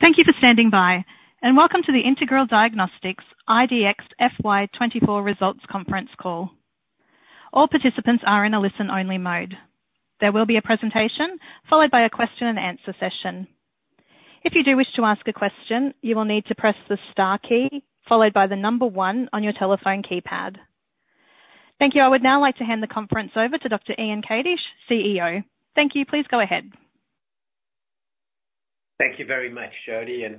Thank you for standing by, and welcome to the Integral Diagnostics IDX FY twenty-four results conference call. All participants are in a listen-only mode. There will be a presentation, followed by a question and answer session. If you do wish to ask a question, you will need to press the star key, followed by the number one on your telephone keypad. Thank you. I would now like to hand the conference over to Dr. Ian Kadish, CEO. Thank you. Please go ahead. Thank you very much, Jody, and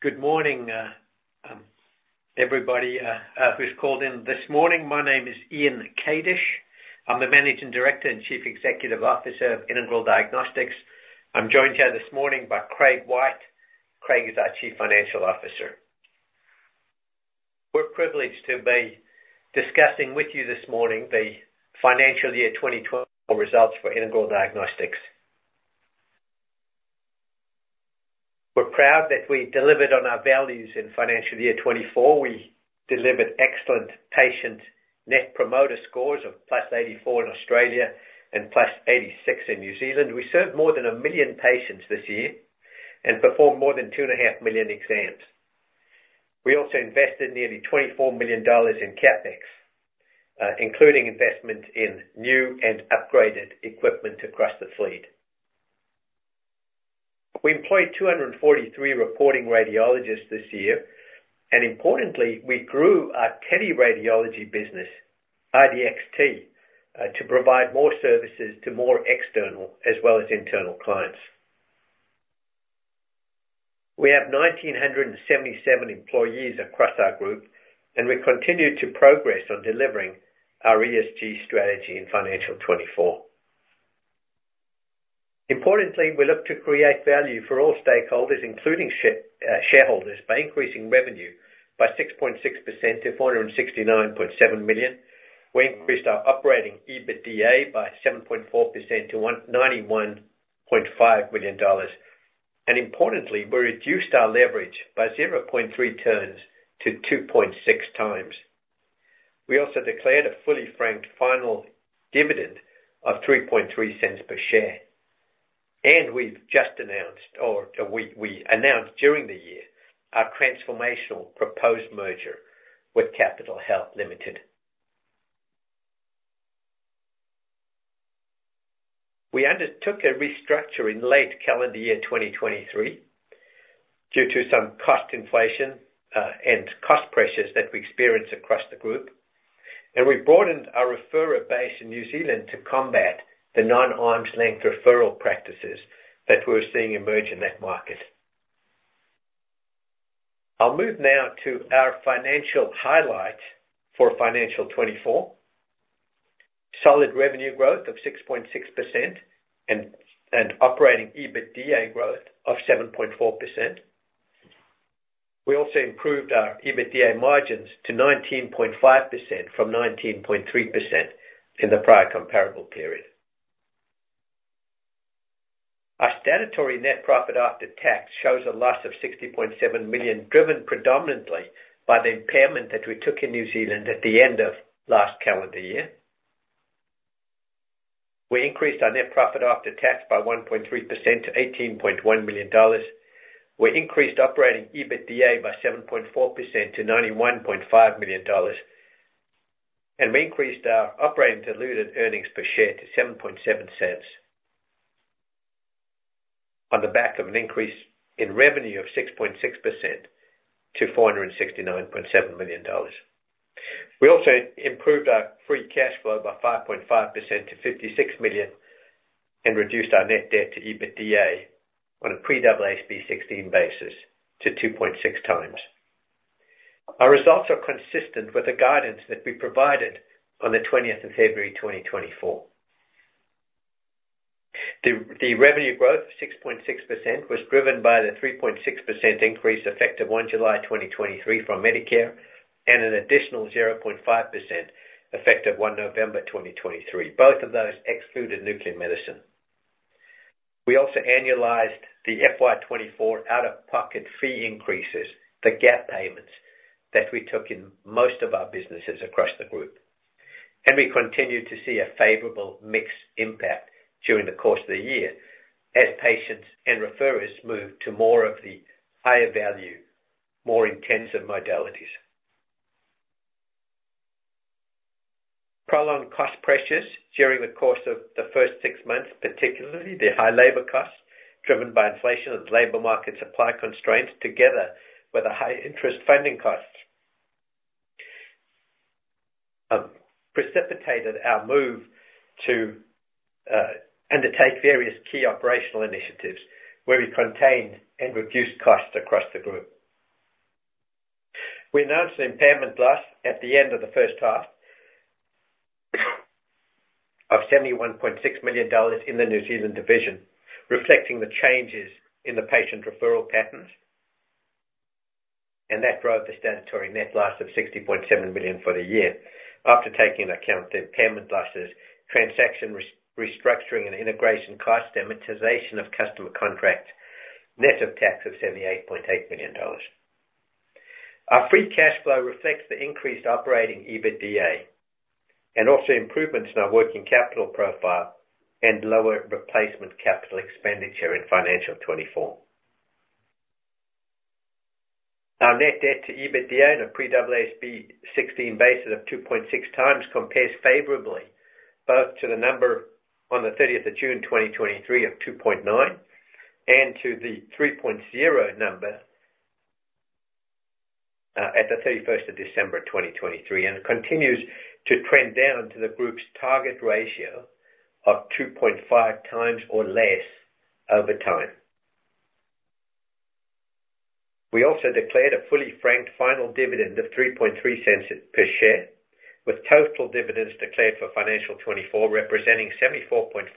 good morning, everybody, who's called in this morning. My name is Ian Kadish. I'm the Managing Director and Chief Executive Officer of Integral Diagnostics. I'm joined here this morning by Craig White. Craig is our Chief Financial Officer. We're privileged to be discussing with you this morning the financial year twenty-twelve results for Integral Diagnostics. We're proud that we delivered on our values in financial year twenty-four. We delivered excellent patient net promoter scores of plus 84 in Australia and plus 86 in New Zealand. We served more than a million patients this year and performed more than 2.5 million exams. We also invested nearly 24 million dollars in CapEx, including investment in new and upgraded equipment across the fleet. We employed 243 reporting radiologists this year, and importantly, we grew our teleradiology business, IDXT, to provide more services to more external as well as internal clients. We have 1,977 employees across our group, and we continued to progress on delivering our ESG strategy in financial twenty-four. Importantly, we look to create value for all stakeholders, including shareholders, by increasing revenue by 6.6% to 469.7 million. We increased our operating EBITDA by 7.4% to 191.5 million dollars. Importantly, we reduced our leverage by 0.3 turns to 2.6 times. We also declared a fully franked final dividend of 3.3 cents per share, and we've just announced or we announced during the year our transformational proposed merger with Capitol Health Limited. We undertook a restructure in late calendar year 2023 due to some cost inflation and cost pressures that we experienced across the group. We broadened our referrer base in New Zealand to combat the non-arm's length referral practices that we're seeing emerge in that market. I'll move now to our financial highlights for financial 2024. Solid revenue growth of 6.6% and operating EBITDA growth of 7.4%. We also improved our EBITDA margins to 19.5% from 19.3% in the prior comparable period. Our statutory net profit after tax shows a loss of 60.7 million, driven predominantly by the impairment that we took in New Zealand at the end of last calendar year. We increased our net profit after tax by 1.3% to 18.1 million dollars. We increased operating EBITDA by 7.4% to 91.5 million dollars, and we increased our operating diluted earnings per share to 0.077 on the back of an increase in revenue of 6.6% to 469.7 million dollars. We also improved our free cash flow by 5.5% to 56 million and reduced our net debt to EBITDA on a pre-AASB 16 basis to 2.6 times. Our results are consistent with the guidance that we provided on the twentieth of February 2024. The revenue growth of 6.6% was driven by the 3.6% increase, effective 1 July 2023 from Medicare, and an additional 0.5%, effective 1 November 2023. Both of those excluded nuclear medicine. We also annualized the FY 2024 out-of-pocket fee increases, the gap payments, that we took in most of our businesses across the group, and we continued to see a favorable mix impact during the course of the year as patients and referrers moved to more of the higher value, more intensive modalities. Prolonged cost pressures during the course of the first six months, particularly the high labor costs, driven by inflation and labor market supply constraints, together with the high interest funding costs, precipitated our move to undertake various key operational initiatives where we contained and reduced costs across the group. We announced the impairment loss at the end of the first half of 71.6 million dollars in the New Zealand division, reflecting the changes in the patient referral patterns, and that drove the statutory net loss of 60.7 million for the year. After taking into account the impairment losses, transaction restructuring and integration cost, amortization of customer contracts, net of tax of 78.8 million dollars. Our free cash flow reflects the increased operating EBITDA, and also improvements in our working capital profile and lower replacement capital expenditure in financial 2024. Our net debt to EBITDA on a pre-AASB 16 basis of 2.6 times compares favorably, both to the number on the 30th of June, 2023 of 2.9, and to the 3.0 number at the 31st of December, 2023, and continues to trend down to the group's target ratio of 2.5 times or less over time. We also declared a fully franked final dividend of 0.033 per share, with total dividends declared for financial 2024, representing 74.4%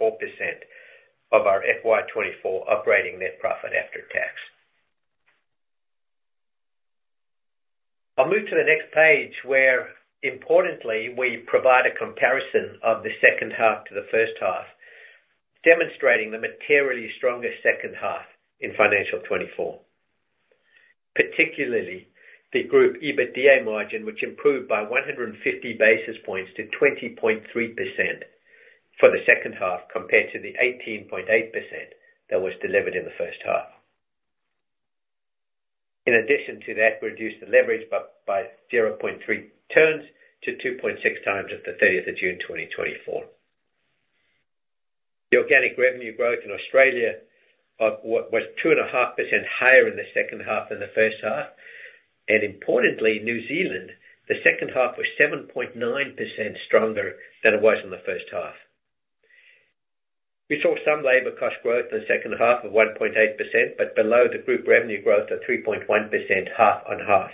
of our FY 2024 operating net profit after tax. I'll move to the next page, where importantly, we provide a comparison of the second half to the first half, demonstrating the materially stronger second half in financial 2024. Particularly, the group EBITDA margin, which improved by one hundred and fifty basis points to 20.3% for the second half, compared to the 18.8% that was delivered in the first half. In addition to that, we reduced the leverage by zero point three turns to 2.6 times at the thirtieth of June, 2024. The organic revenue growth in Australia was 2.5% higher in the second half than the first half, and importantly, New Zealand, the second half was 7.9% stronger than it was in the first half. We saw some labor cost growth in the second half of 1.8%, but below the group revenue growth of 3.1%, half on half.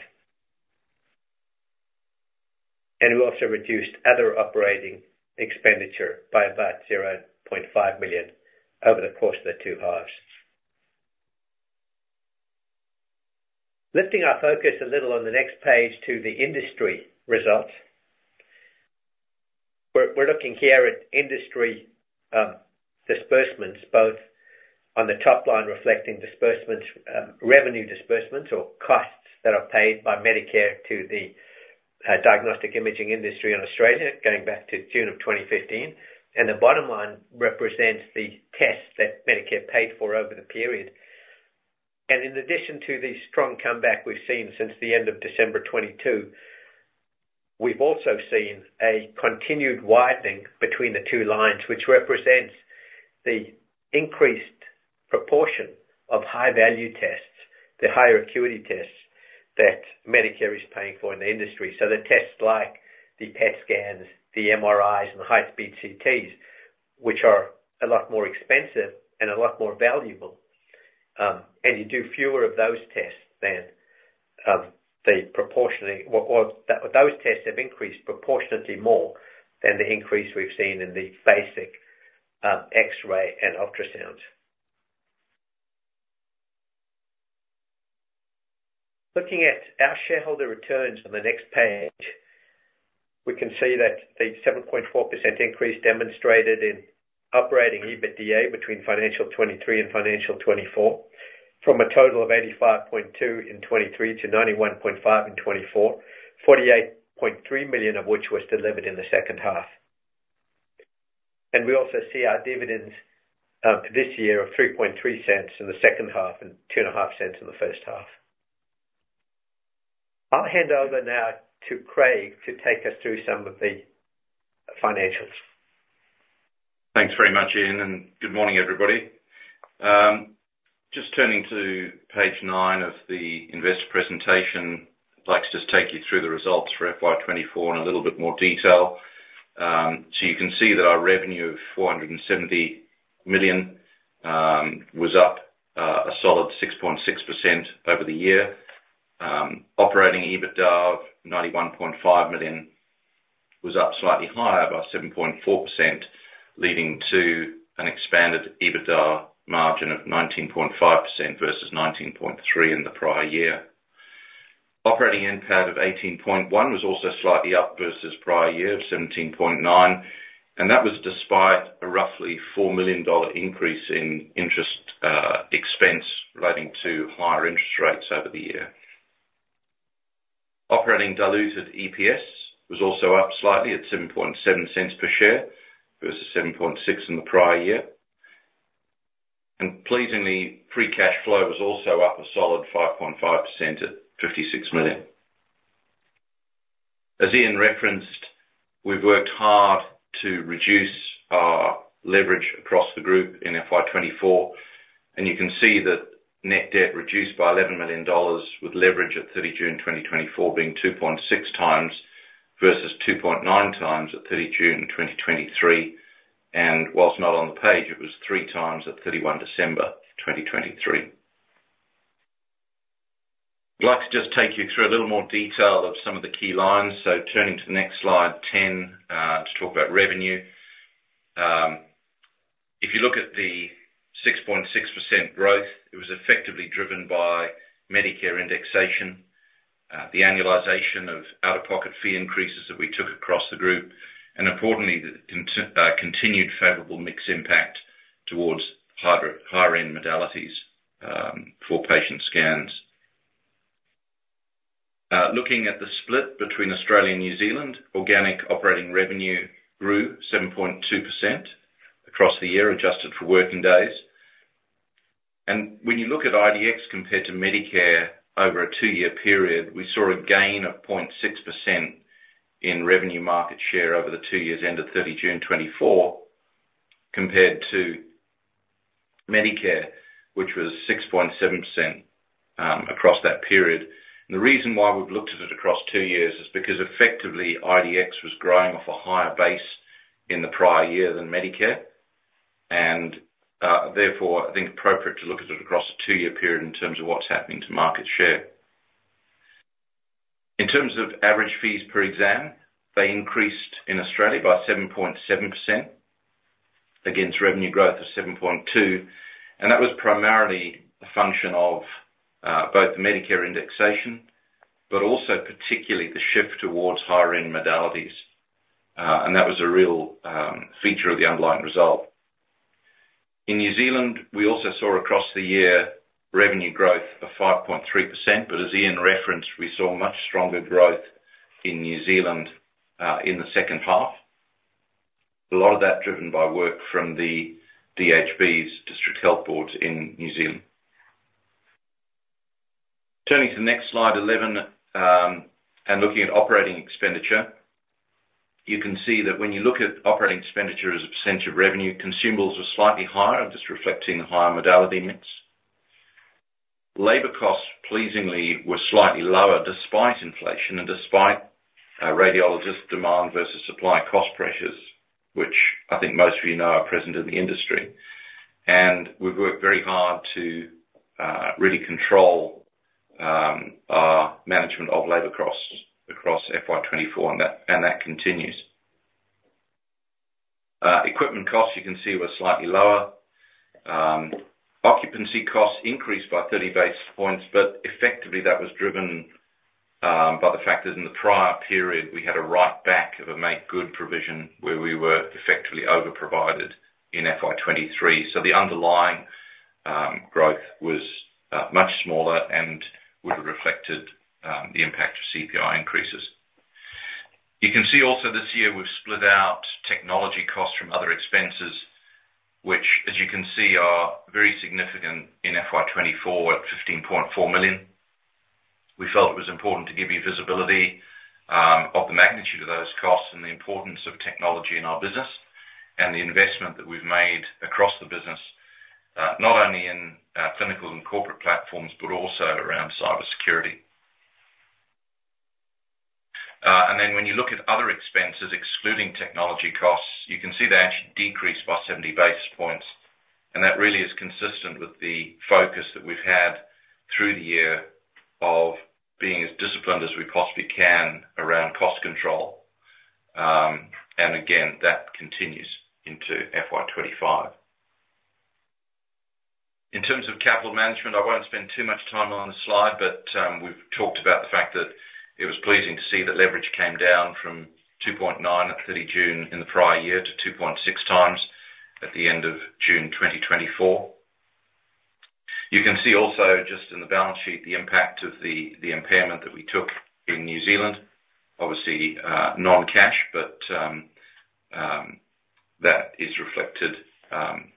We also reduced other operating expenditure by about 0.5 million over the course of the two halves. Lifting our focus a little on the next page to the industry results. We're looking here at industry disbursements, both on the top line, reflecting disbursements revenue disbursements or costs that are paid by Medicare to the diagnostic imaging industry in Australia, going back to June of 2015, and the bottom line represents the tests that Medicare paid for over the period. In addition to the strong comeback we've seen since the end of December 2022, we've also seen a continued widening between the two lines, which represents the increased proportion of high-value tests, the higher acuity tests, that Medicare is paying for in the industry. The tests like the PET scans, the MRIs, and the high-speed CTs, which are a lot more expensive and a lot more valuable, and you do fewer of those tests than those tests have increased proportionately more than the increase we've seen in the basic X-ray and ultrasounds. Looking at our shareholder returns on the next page, we can see that the 7.4% increase demonstrated in operating EBITDA between financial 2023 and financial 2024, from a total of 85.2 million in 2023 to 91.5 million in 2024, 48.3 million of which was delivered in the second half. And we also see our dividends this year of 0.033 in the second half and 0.025 in the first half. I'll hand over now to Craig to take us through some of the financials. Thanks very much, Ian, and good morning, everybody. Just turning to page 9 of the investor presentation, I'd like to just take you through the results for FY 2024 in a little bit more detail. So you can see that our revenue of 470 million was up a solid 6.6% over the year. Operating EBITDA of 91.5 million was up slightly higher by 7.4%, leading to an expanded EBITDA margin of 19.5% versus 19.3% in the prior year. Operating NPAT of 18.1 was also slightly up versus prior year of 17.9, and that was despite a roughly 4 million dollar increase in interest expense relating to higher interest rates over the year. Operating diluted EPS was also up slightly at 7.7 cents per share, versus 7.6 in the prior year. Pleasingly, free cash flow was also up a solid 5.5% at 56 million. As Ian referenced, we've worked hard to reduce our leverage across the group in FY 2024, and you can see that net debt reduced by AUD 11 million, with leverage at 30 June 2024 being 2.6 times versus 2.9 times at 30 June 2023. Whilst not on the page, it was three times at 31 December 2023. I'd like to just take you through a little more detail of some of the key lines. Turning to the next slide, 10, to talk about revenue. If you look at the 6.6% growth, it was effectively driven by Medicare indexation, the annualization of out-of-pocket fee increases that we took across the group, and importantly, the continued favorable mix impact towards higher-end modalities for patient scans. Looking at the split between Australia and New Zealand, organic operating revenue grew 7.2% across the year, adjusted for working days. When you look at IDX compared to Medicare over a two-year period, we saw a gain of 0.6% in revenue market share over the two years, end of 30 June 2024, compared to Medicare, which was 6.7% across that period. And the reason why we've looked at it across two years is because effectively, IDXT was growing off a higher base in the prior year than Medicare, and therefore, I think, appropriate to look at it across a two-year period in terms of what's happening to market share. In terms of average fees per exam, they increased in Australia by 7.7% against revenue growth of 7.2%, and that was primarily a function of both the Medicare indexation, but also particularly the shift towards higher-end modalities. And that was a real feature of the underlying result. In New Zealand, we also saw across the year, revenue growth of 5.3%, but as Ian referenced, we saw much stronger growth in New Zealand in the second half. A lot of that driven by work from the DHBs, District Health Boards in New Zealand. Turning to the next slide, 11, and looking at operating expenditure, you can see that when you look at operating expenditure as a % of revenue, consumables are slightly higher, just reflecting the higher modality mix. Labor costs, pleasingly, were slightly lower despite inflation and despite radiologist demand versus supply cost pressures, which I think most of you know are present in the industry, and we've worked very hard to really control our management of labor costs across FY 2024, and that continues. Equipment costs, you can see, were slightly lower. Occupancy costs increased by 30 basis points, but effectively, that was driven by the fact that in the prior period, we had a write-back of a make-good provision where we were effectively over-provided in FY 2023. So the underlying growth was much smaller and would have reflected the impact of CPI increases. You can see also this year, we've split out technology costs from other expenses, which, as you can see, are very significant in FY 2024 at 15.4 million. We felt it was important to give you visibility of the magnitude of those costs and the importance of technology in our business, and the investment that we've made across the business, not only in clinical and corporate platforms, but also around cybersecurity. And then when you look at other expenses, excluding technology costs, you can see they actually decreased by 70 basis points, and that really is consistent with the focus that we've had through the year of being as disciplined as we possibly can around cost control. And again, that continues into FY 2025. In terms of capital management, I won't spend too much time on this slide, but we've talked about the fact that it was pleasing to see that leverage came down from 2.9 at 30 June in the prior year to 2.6 times at the end of June 2024. You can see also just in the balance sheet, the impact of the impairment that we took in New Zealand, obviously, non-cash, but, that is reflected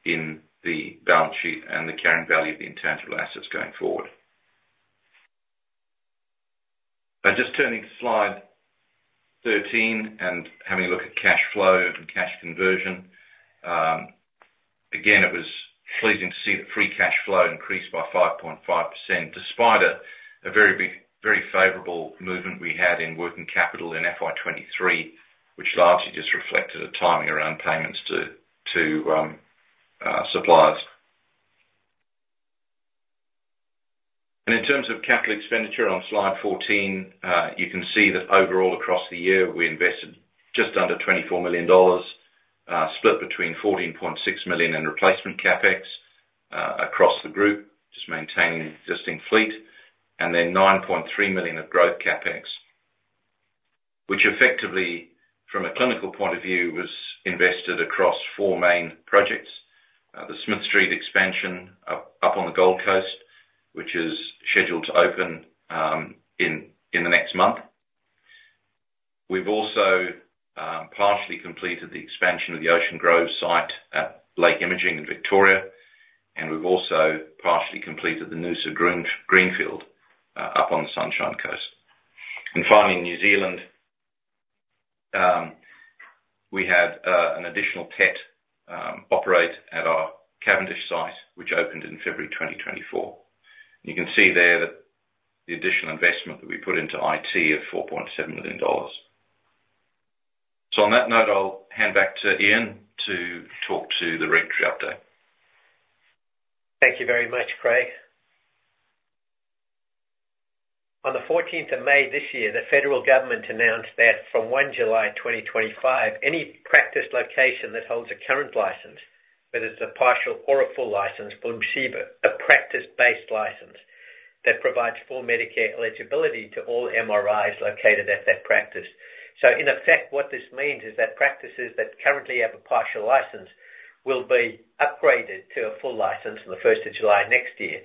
in the balance sheet and the carrying value of the intangible assets going forward. And just turning to slide 13 and having a look at cash flow and cash conversion. Again, it was pleasing to see that free cash flow increased by 5.5%, despite a very big, very favorable movement we had in working capital in FY 2023, which largely just reflected a timing around payments to suppliers. In terms of capital expenditure on slide 14, you can see that overall across the year, we invested just under 24 million dollars, split between 14.6 million in replacement CapEx across the group, just maintaining the existing fleet, and then 9.3 million of growth CapEx. Which effectively, from a clinical point of view, was invested across four main projects: the Smith Street expansion up on the Gold Coast, which is scheduled to open in the next month. We've also partially completed the expansion of the Ocean Grove site at Lake Imaging in Victoria, and we've also partially completed the Noosa greenfield up on the Sunshine Coast. And finally, in New Zealand, we had an additional PET operational at our Cavendish site, which opened in February 2024. You can see there that the additional investment that we put into IT of 4.7 million dollars, so on that note, I'll hand back to Ian to talk to the regulatory update. Thank you very much, Craig. On the fourteenth of May this year, the federal government announced that from one July twenty twenty-five, any practice location that holds a current license, whether it's a partial or a full license, will receive a practice-based license that provides full Medicare eligibility to all MRIs located at that practice. So in effect, what this means is that practices that currently have a partial license will be upgraded to a full license on the first of July next year,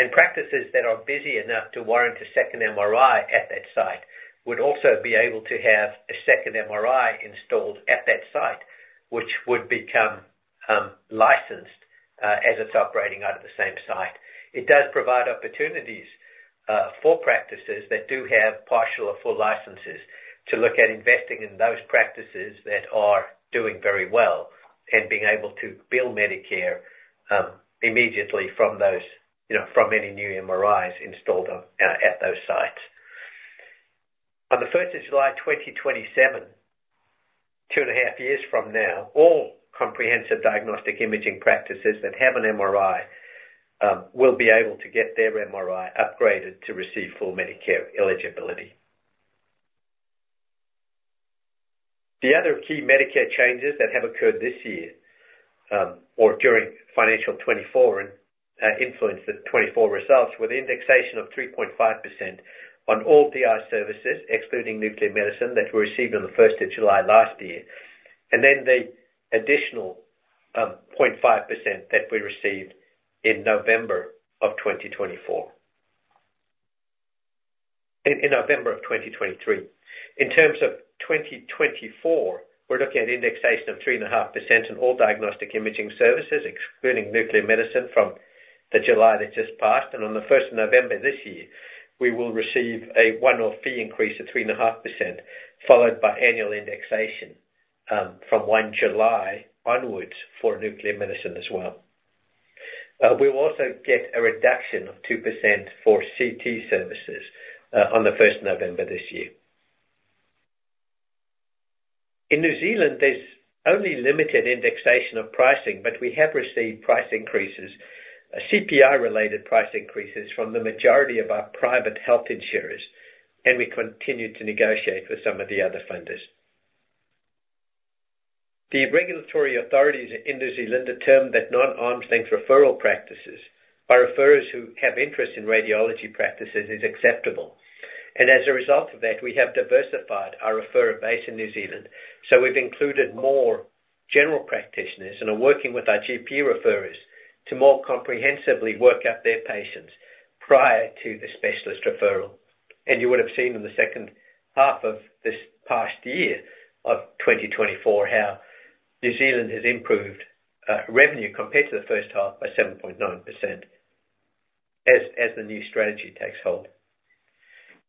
and practices that are busy enough to warrant a second MRI at that site would also be able to have a second MRI installed at that site, which would become licensed as it's operating out of the same site. It does provide opportunities, for practices that do have partial or full licenses to look at investing in those practices that are doing very well, and being able to bill Medicare, immediately from those, you know, from any new MRIs installed on, at those sites. On the first of July, 2027, two and a half years from now, all comprehensive diagnostic imaging practices that have an MRI, will be able to get their MRI upgraded to receive full Medicare eligibility. The other key Medicare changes that have occurred this year, or during financial twenty-four and, influenced the twenty-four results, were the indexation of 3.5% on all DI services, excluding nuclear medicine, that were received on the first of July last year, and then the additional, 0.5% that we received in November of 2024. In November of 2023. In terms of 2024, we're looking at indexation of 3.5% in all diagnostic imaging services, excluding nuclear medicine from the July that just passed, and on the first of November this year, we will receive a one-off fee increase of 3.5%, followed by annual indexation from 1 July onwards for nuclear medicine as well. We will also get a reduction of 2% for CT services on the first of November this year. In New Zealand, there's only limited indexation of pricing, but we have received price increases, CPI-related price increases from the majority of our private health insurers, and we continue to negotiate with some of the other funders. The regulatory authorities in New Zealand determined that non-arm's length referral practices by referrers who have interest in radiology practices is acceptable, and as a result of that, we have diversified our referrer base in New Zealand. So we've included more general practitioners, and are working with our GP referrers to more comprehensively work up their patients prior to the specialist referral. And you would have seen in the second half of this past year of twenty twenty-four, how New Zealand has improved, revenue compared to the first half by 7.9%, as the new strategy takes hold.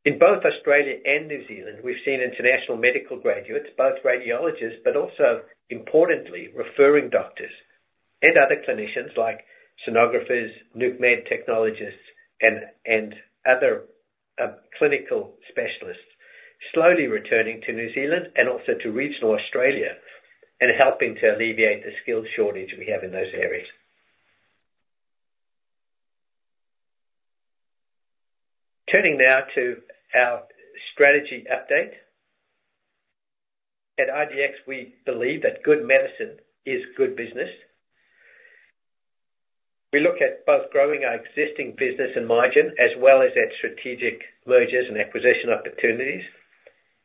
In both Australia and New Zealand, we've seen international medical graduates, both radiologists, but also importantly, referring doctors and other clinicians like sonographers, nuc med technologists, and other clinical specialists, slowly returning to New Zealand and also to regional Australia, and helping to alleviate the skills shortage we have in those areas. Turning now to our strategy update. At IDX, we believe that good medicine is good business. We look at both growing our existing business and margin, as well as at strategic mergers and acquisition opportunities.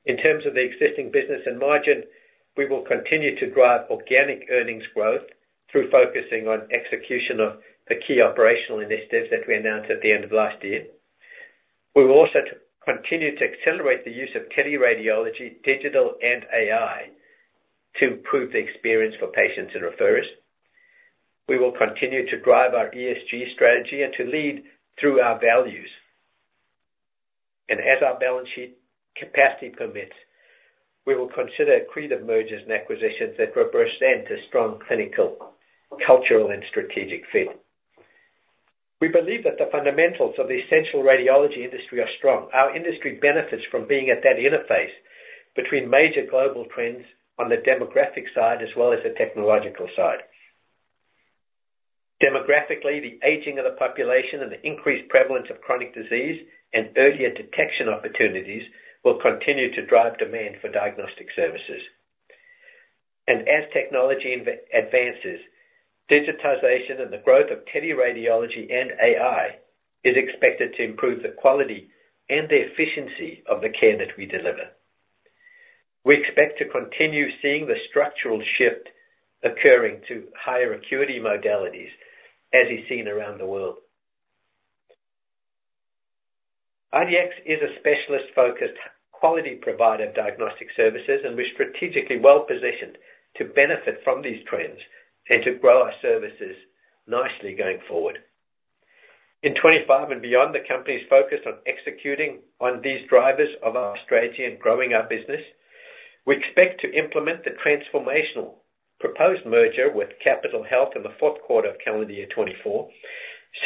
In terms of the existing business and margin, we will continue to drive organic earnings growth through focusing on execution of the key operational initiatives that we announced at the end of last year. We will also continue to accelerate the use of teleradiology, digital and AI, to improve the experience for patients and referrers. We will continue to drive our ESG strategy and to lead through our values. As our balance sheet capacity permits, we will consider accretive mergers and acquisitions that represent a strong clinical, cultural, and strategic fit. We believe that the fundamentals of the essential radiology industry are strong. Our industry benefits from being at that interface between major global trends on the demographic side, as well as the technological side. Demographically, the aging of the population and the increased prevalence of chronic disease and earlier detection opportunities will continue to drive demand for diagnostic services. As technology advances, digitization and the growth of teleradiology and AI is expected to improve the quality and the efficiency of the care that we deliver. We expect to continue seeing the structural shift occurring to higher acuity modalities, as is seen around the world. IDX is a specialist-focused, quality provider of diagnostic services, and we're strategically well positioned to benefit from these trends and to grow our services nicely going forward. In twenty-five and beyond, the company's focused on executing on these drivers of our strategy and growing our business. We expect to implement the transformational proposed merger with Capitol Health in the fourth quarter of calendar year twenty-four,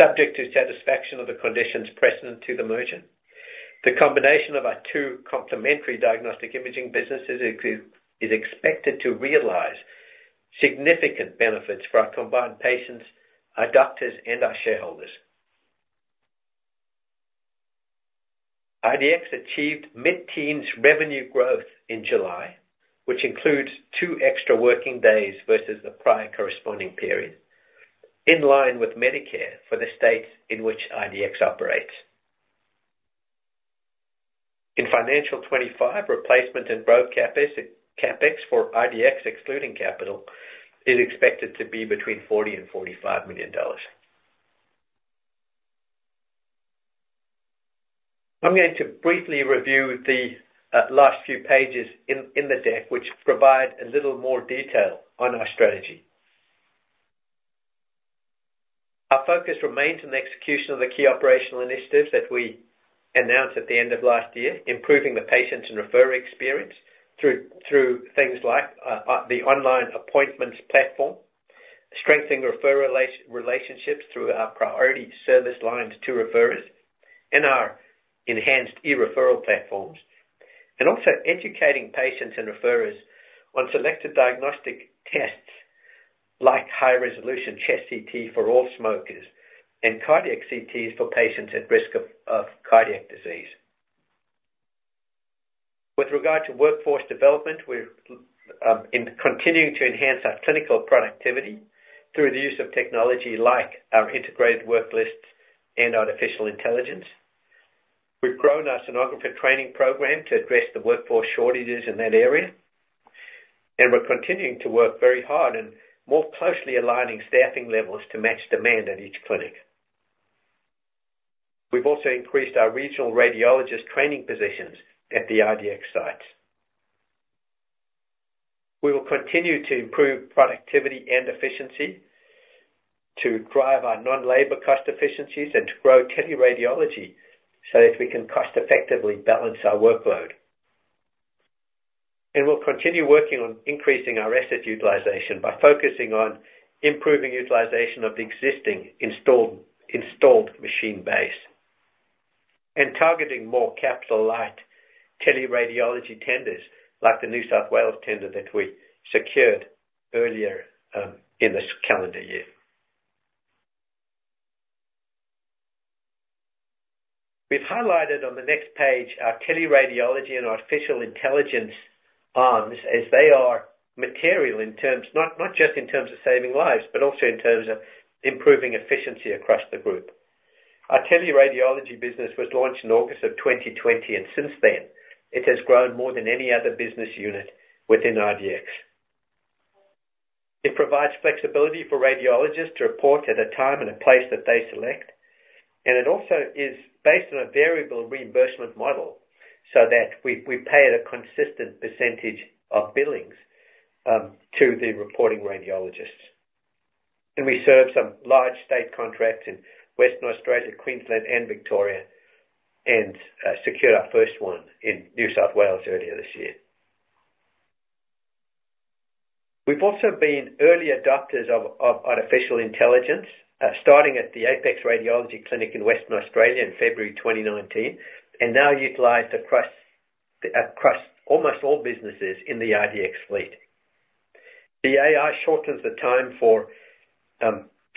subject to satisfaction of the conditions precedent to the merger. The combination of our two complementary diagnostic imaging businesses is expected to realize significant benefits for our combined patients, our doctors, and our shareholders. IDX achieved mid-teens revenue growth in July, which includes two extra working days versus the prior corresponding period, in line with Medicare for the states in which IDX operates. In FY 2025, replacement and growth CapEx, CapEx for IDX, excluding capital, is expected to be between 40 million and 45 million dollars. I'm going to briefly review the last few pages in the deck, which provide a little more detail on our strategy. Our focus remains on the execution of the key operational initiatives that we announced at the end of last year, improving the patients and referrer experience through things like the online appointments platform, strengthening referral relationships through our priority service lines to referrers, and our enhanced e-referral platforms, and also educating patients and referrers on selected diagnostic tests, like high-resolution chest CT for all smokers and cardiac CTs for patients at risk of cardiac disease. With regard to workforce development, we're in continuing to enhance our clinical productivity through the use of technology like our integrated work list and artificial intelligence. We've grown our sonographer training program to address the workforce shortages in that area, and we're continuing to work very hard and more closely aligning staffing levels to match demand at each clinic. We've also increased our regional radiologist training positions at the IDX sites. We will continue to improve productivity and efficiency to drive our non-labor cost efficiencies and to grow teleradiology so that we can cost effectively balance our workload. We'll continue working on increasing our asset utilization by focusing on improving utilization of the existing installed machine base, and targeting more capital-light teleradiology tenders, like the New South Wales tender that we secured earlier in this calendar year. We've highlighted on the next page our teleradiology and artificial intelligence arms, as they are material, not just in terms of saving lives, but also in terms of improving efficiency across the group. Our teleradiology business was launched in August of twenty twenty, and since then, it has grown more than any other business unit within IDX. It provides flexibility for radiologists to report at a time and a place that they select, and it also is based on a variable reimbursement model, so that we pay at a consistent percentage of billings to the reporting radiologists. We serve some large state contracts in Western Australia, Queensland, and Victoria, and secured our first one in New South Wales earlier this year. We've also been early adopters of artificial intelligence, starting at the Apex Radiology Clinic in Western Australia in February 2019, and now utilized across almost all businesses in the IDX fleet. The AI shortens the time for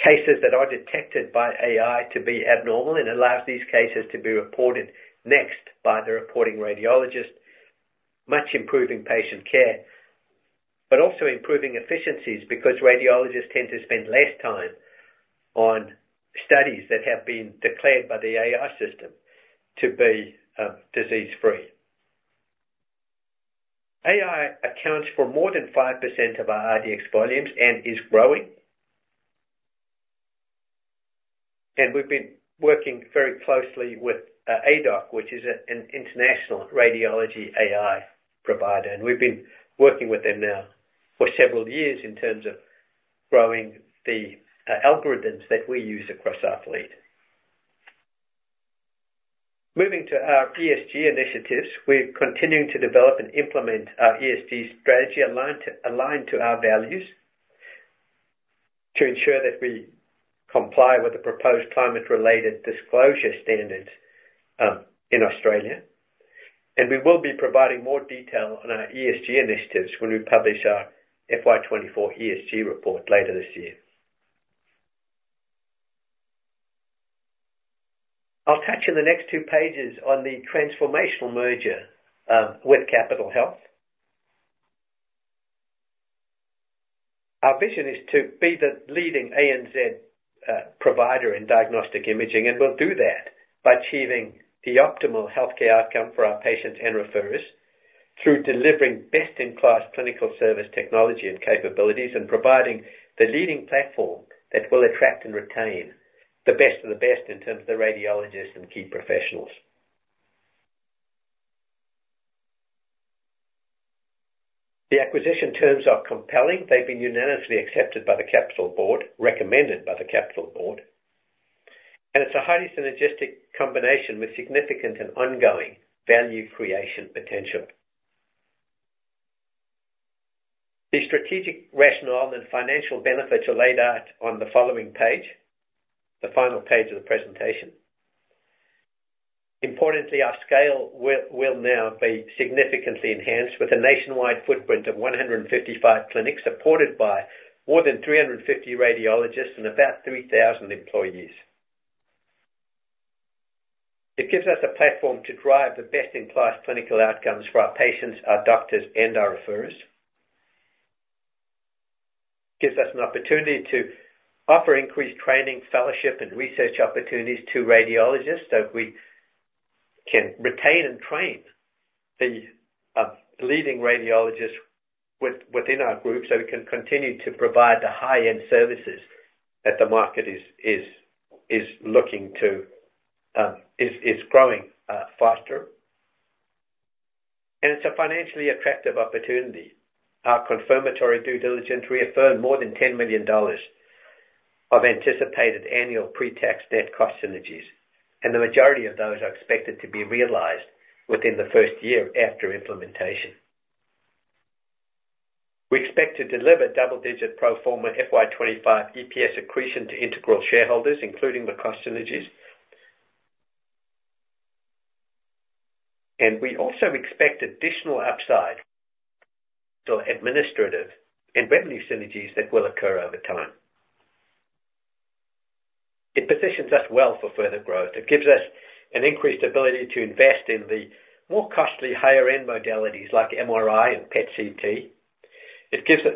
cases that are detected by AI to be abnormal, and allows these cases to be reported next by the reporting radiologist, much improving patient care, but also improving efficiencies because radiologists tend to spend less time on studies that have been declared by the AI system to be disease-free. AI accounts for more than 5% of our IDX volumes and is growing, and we've been working very closely with Aidoc, which is an international radiology AI provider, and we've been working with them now for several years in terms of growing the algorithms that we use across our fleet. Moving to our ESG initiatives, we're continuing to develop and implement our ESG strategy aligned to our values, to ensure that we comply with the proposed climate-related disclosure standards in Australia and we will be providing more detail on our ESG initiatives when we publish our FY 2024 ESG report later this year. I'll touch on the next two pages on the transformational merger with Capitol Health. Our vision is to be the leading ANZ provider in diagnostic imaging, and we'll do that by achieving the optimal healthcare outcome for our patients and referrers, through delivering best-in-class clinical service technology and capabilities, and providing the leading platform that will attract and retain the best of the best in terms of the radiologists and key professionals. The acquisition terms are compelling. They've been unanimously accepted by the Capitol Board, recommended by the Capitol Board, and it's the highest synergistic combination with significant and ongoing value creation potential. The strategic rationale and financial benefits are laid out on the following page, the final page of the presentation. Importantly, our scale will now be significantly enhanced with a nationwide footprint of 155 clinics, supported by more than 350 radiologists and about 3,000 employees.... It gives us a platform to drive the best-in-class clinical outcomes for our patients, our doctors, and our referrers. Gives us an opportunity to offer increased training, fellowship, and research opportunities to radiologists, so we can retain and train the leading radiologists within our group, so we can continue to provide the high-end services that the market is looking to, is growing faster. It's a financially attractive opportunity. Our confirmatory due diligence reaffirmed more than 10 million dollars of anticipated annual pre-tax net cost synergies, and the majority of those are expected to be realized within the first year after implementation. We expect to deliver double-digit pro forma FY 2025 EPS accretion to Integral shareholders, including the cost synergies. We also expect additional upside to administrative and revenue synergies that will occur over time. It positions us well for further growth. It gives us an increased ability to invest in the more costly, higher-end modalities like MRI and PET/CT. It gives us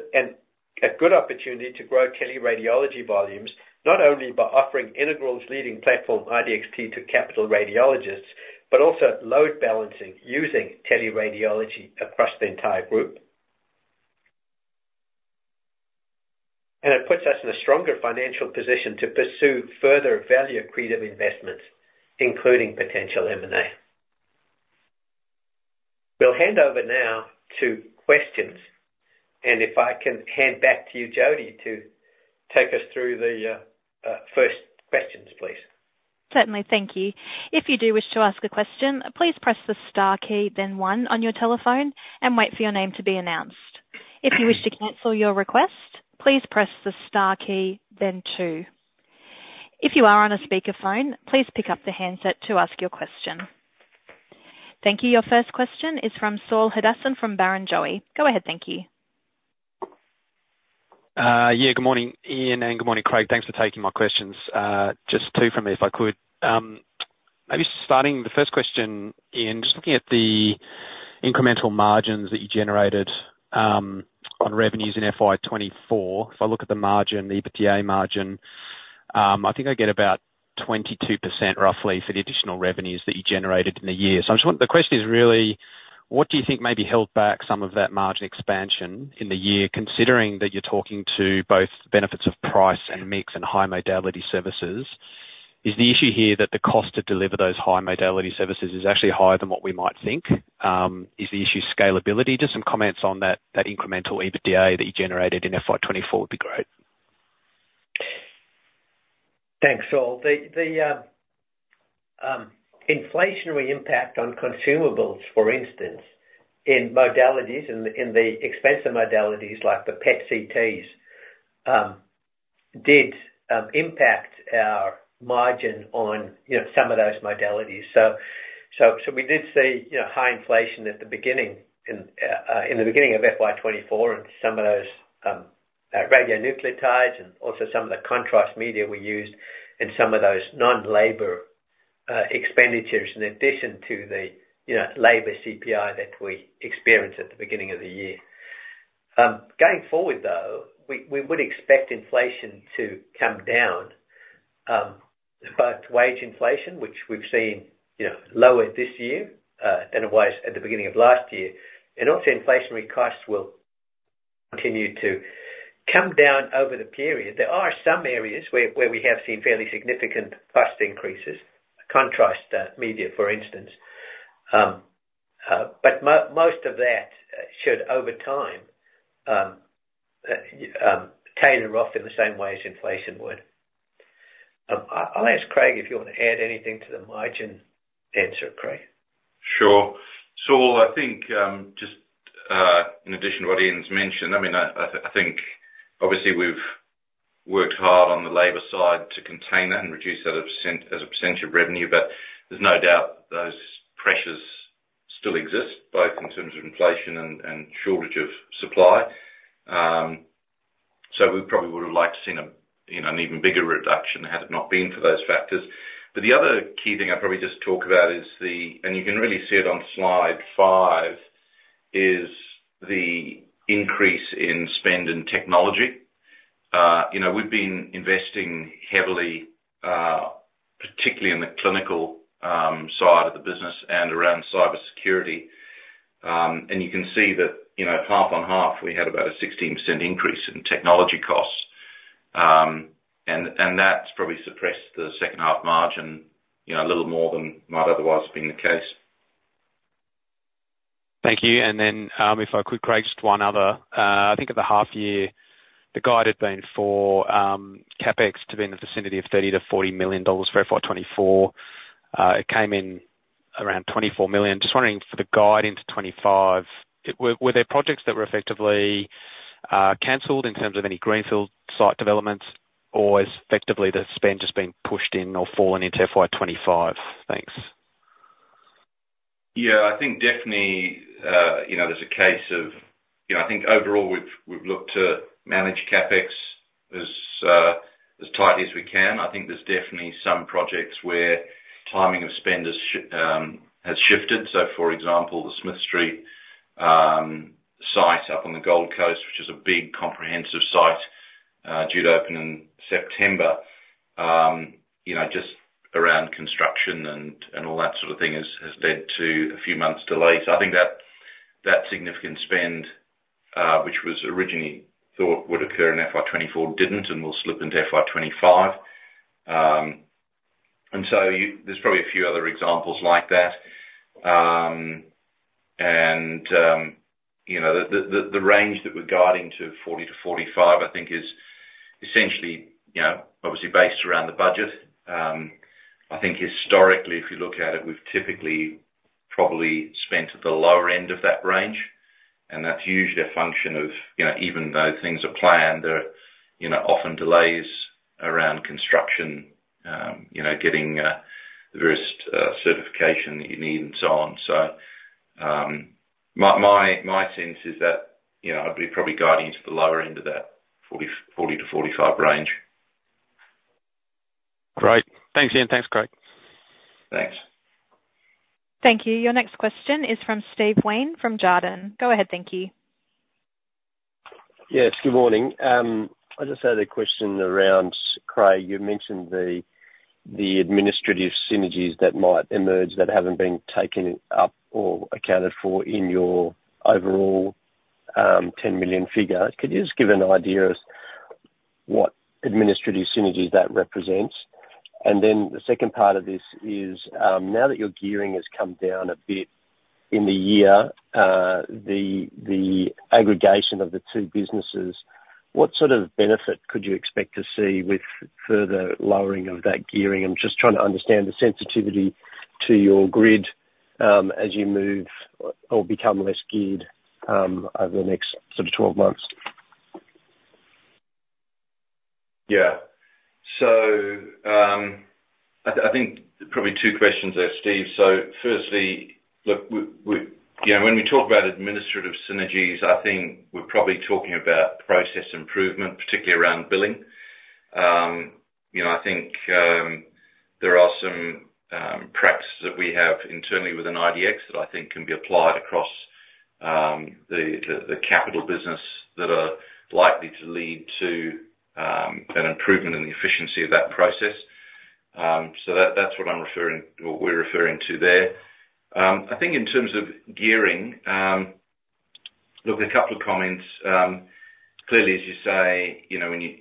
a good opportunity to grow teleradiology volumes, not only by offering Integral's leading platform, IDXT, to Capital Health radiologists, but also load balancing using teleradiology across the entire group. It puts us in a stronger financial position to pursue further value accretive investments, including potential M&A. We'll hand over now to questions, and if I can hand back to you, Jody, to take us through the first questions, please. Certainly. Thank you. If you do wish to ask a question, please press the star key, then one on your telephone and wait for your name to be announced. If you wish to cancel your request, please press the star key, then two. If you are on a speakerphone, please pick up the handset to ask your question. Thank you. Your first question is from Saul Hadassin, from Barrenjoey. Go ahead, thank you. Yeah, good morning, Ian, and good morning, Craig. Thanks for taking my questions. Just two from me, if I could. Maybe starting the first question, Ian, just looking at the incremental margins that you generated on revenues in FY twenty-four. If I look at the margin, the EBITDA margin, I think I get about 22% roughly for the additional revenues that you generated in the year. So I just want- the question is really: What do you think maybe held back some of that margin expansion in the year, considering that you're talking to both benefits of price and mix and high modality services? Is the issue here that the cost to deliver those high modality services is actually higher than what we might think? Is the issue scalability? Just some comments on that, incremental EBITDA that you generated in FY 2024 would be great. Thanks, Saul. The inflationary impact on consumables, for instance, in modalities, in the expensive modalities like the PET/CTs, did impact our margin on, you know, some of those modalities. So we did see, you know, high inflation at the beginning, in the beginning of FY 2024 and some of those radionuclides and also some of the contrast media we used and some of those non-labor expenditures in addition to the, you know, labor CPI that we experienced at the beginning of the year. Going forward, though, we would expect inflation to come down, both wage inflation, which we've seen, you know, lower this year, than it was at the beginning of last year, and also inflationary costs will continue to come down over the period. There are some areas where we have seen fairly significant cost increases, contrast media, for instance. But most of that should, over time, taper off in the same way as inflation would. I'll ask Craig if you want to add anything to the margin answer, Craig. Sure. Saul, I think, just, in addition to what Ian's mentioned, I mean, I think obviously we've worked hard on the labor side to contain that and reduce that as percent, as a percentage of revenue, but there's no doubt those pressures still exist, both in terms of inflation and shortage of supply. So we probably would have liked to seen a, you know, an even bigger reduction had it not been for those factors. But the other key thing I'd probably just talk about is the... And you can really see it on slide five, is the increase in spend in technology. You know, we've been investing heavily, particularly in the clinical, side of the business and around cybersecurity. And you can see that, you know, half on half, we had about a 16% increase in technology costs. and that's probably suppressed the second half margin, you know, a little more than might otherwise have been the case. Thank you. And then, if I could, Craig, just one other. I think at the half year, the guide had been for CapEx to be in the vicinity of 30-40 million dollars for FY 2024. It came in around 24 million. Just wondering for the guide into 25, were there projects that were effectively canceled in terms of any greenfield site developments, or is effectively the spend just being pushed in or fallen into FY 25? Thanks. ...Yeah, I think definitely, you know, there's a case of, you know, I think overall, we've, we've looked to manage CapEx as, as tightly as we can. I think there's definitely some projects where timing of spend has shifted. So for example, the Smith Street site up on the Gold Coast, which is a big comprehensive site, due to open in September, you know, just around construction and, and all that sort of thing has led to a few months delay. So I think that, that significant spend, which was originally thought would occur in FY twenty-four, didn't, and will slip into FY twenty-five. And so there's probably a few other examples like that. And, you know, the range that we're guiding to 40 to 45, I think is essentially, you know, obviously based around the budget. I think historically, if you look at it, we've typically probably spent at the lower end of that range, and that's usually a function of, you know, even though things are planned, there are, you know, often delays around construction, you know, getting the various certification that you need and so on. So, my sense is that, you know, I'd be probably guiding to the lower end of that 40, 40 to 45 range. Great. Thanks, Ian. Thanks, Craig. Thanks. Thank you. Your next question is from Steve Wayne, from Jarden. Go ahead, thank you. Yes, good morning. I just had a question around, Craig, you mentioned the administrative synergies that might emerge that haven't been taken up or accounted for in your overall ten million figure. Could you just give an idea of what administrative synergies that represents? And then the second part of this is, now that your gearing has come down a bit in the year, the aggregation of the two businesses, what sort of benefit could you expect to see with further lowering of that gearing? I'm just trying to understand the sensitivity to your spread as you move or become less geared over the next sort of twelve months. Yeah. So, I think probably two questions there, Steve. So firstly, look, we-- you know, when we talk about administrative synergies, I think we're probably talking about process improvement, particularly around billing. You know, I think there are some practices that we have internally within IDXT, that I think can be applied across the capital business that are likely to lead to an improvement in the efficiency of that process. So that, that's what I'm referring, what we're referring to there. I think in terms of gearing, look, a couple of comments. Clearly, as you say, you know, when you,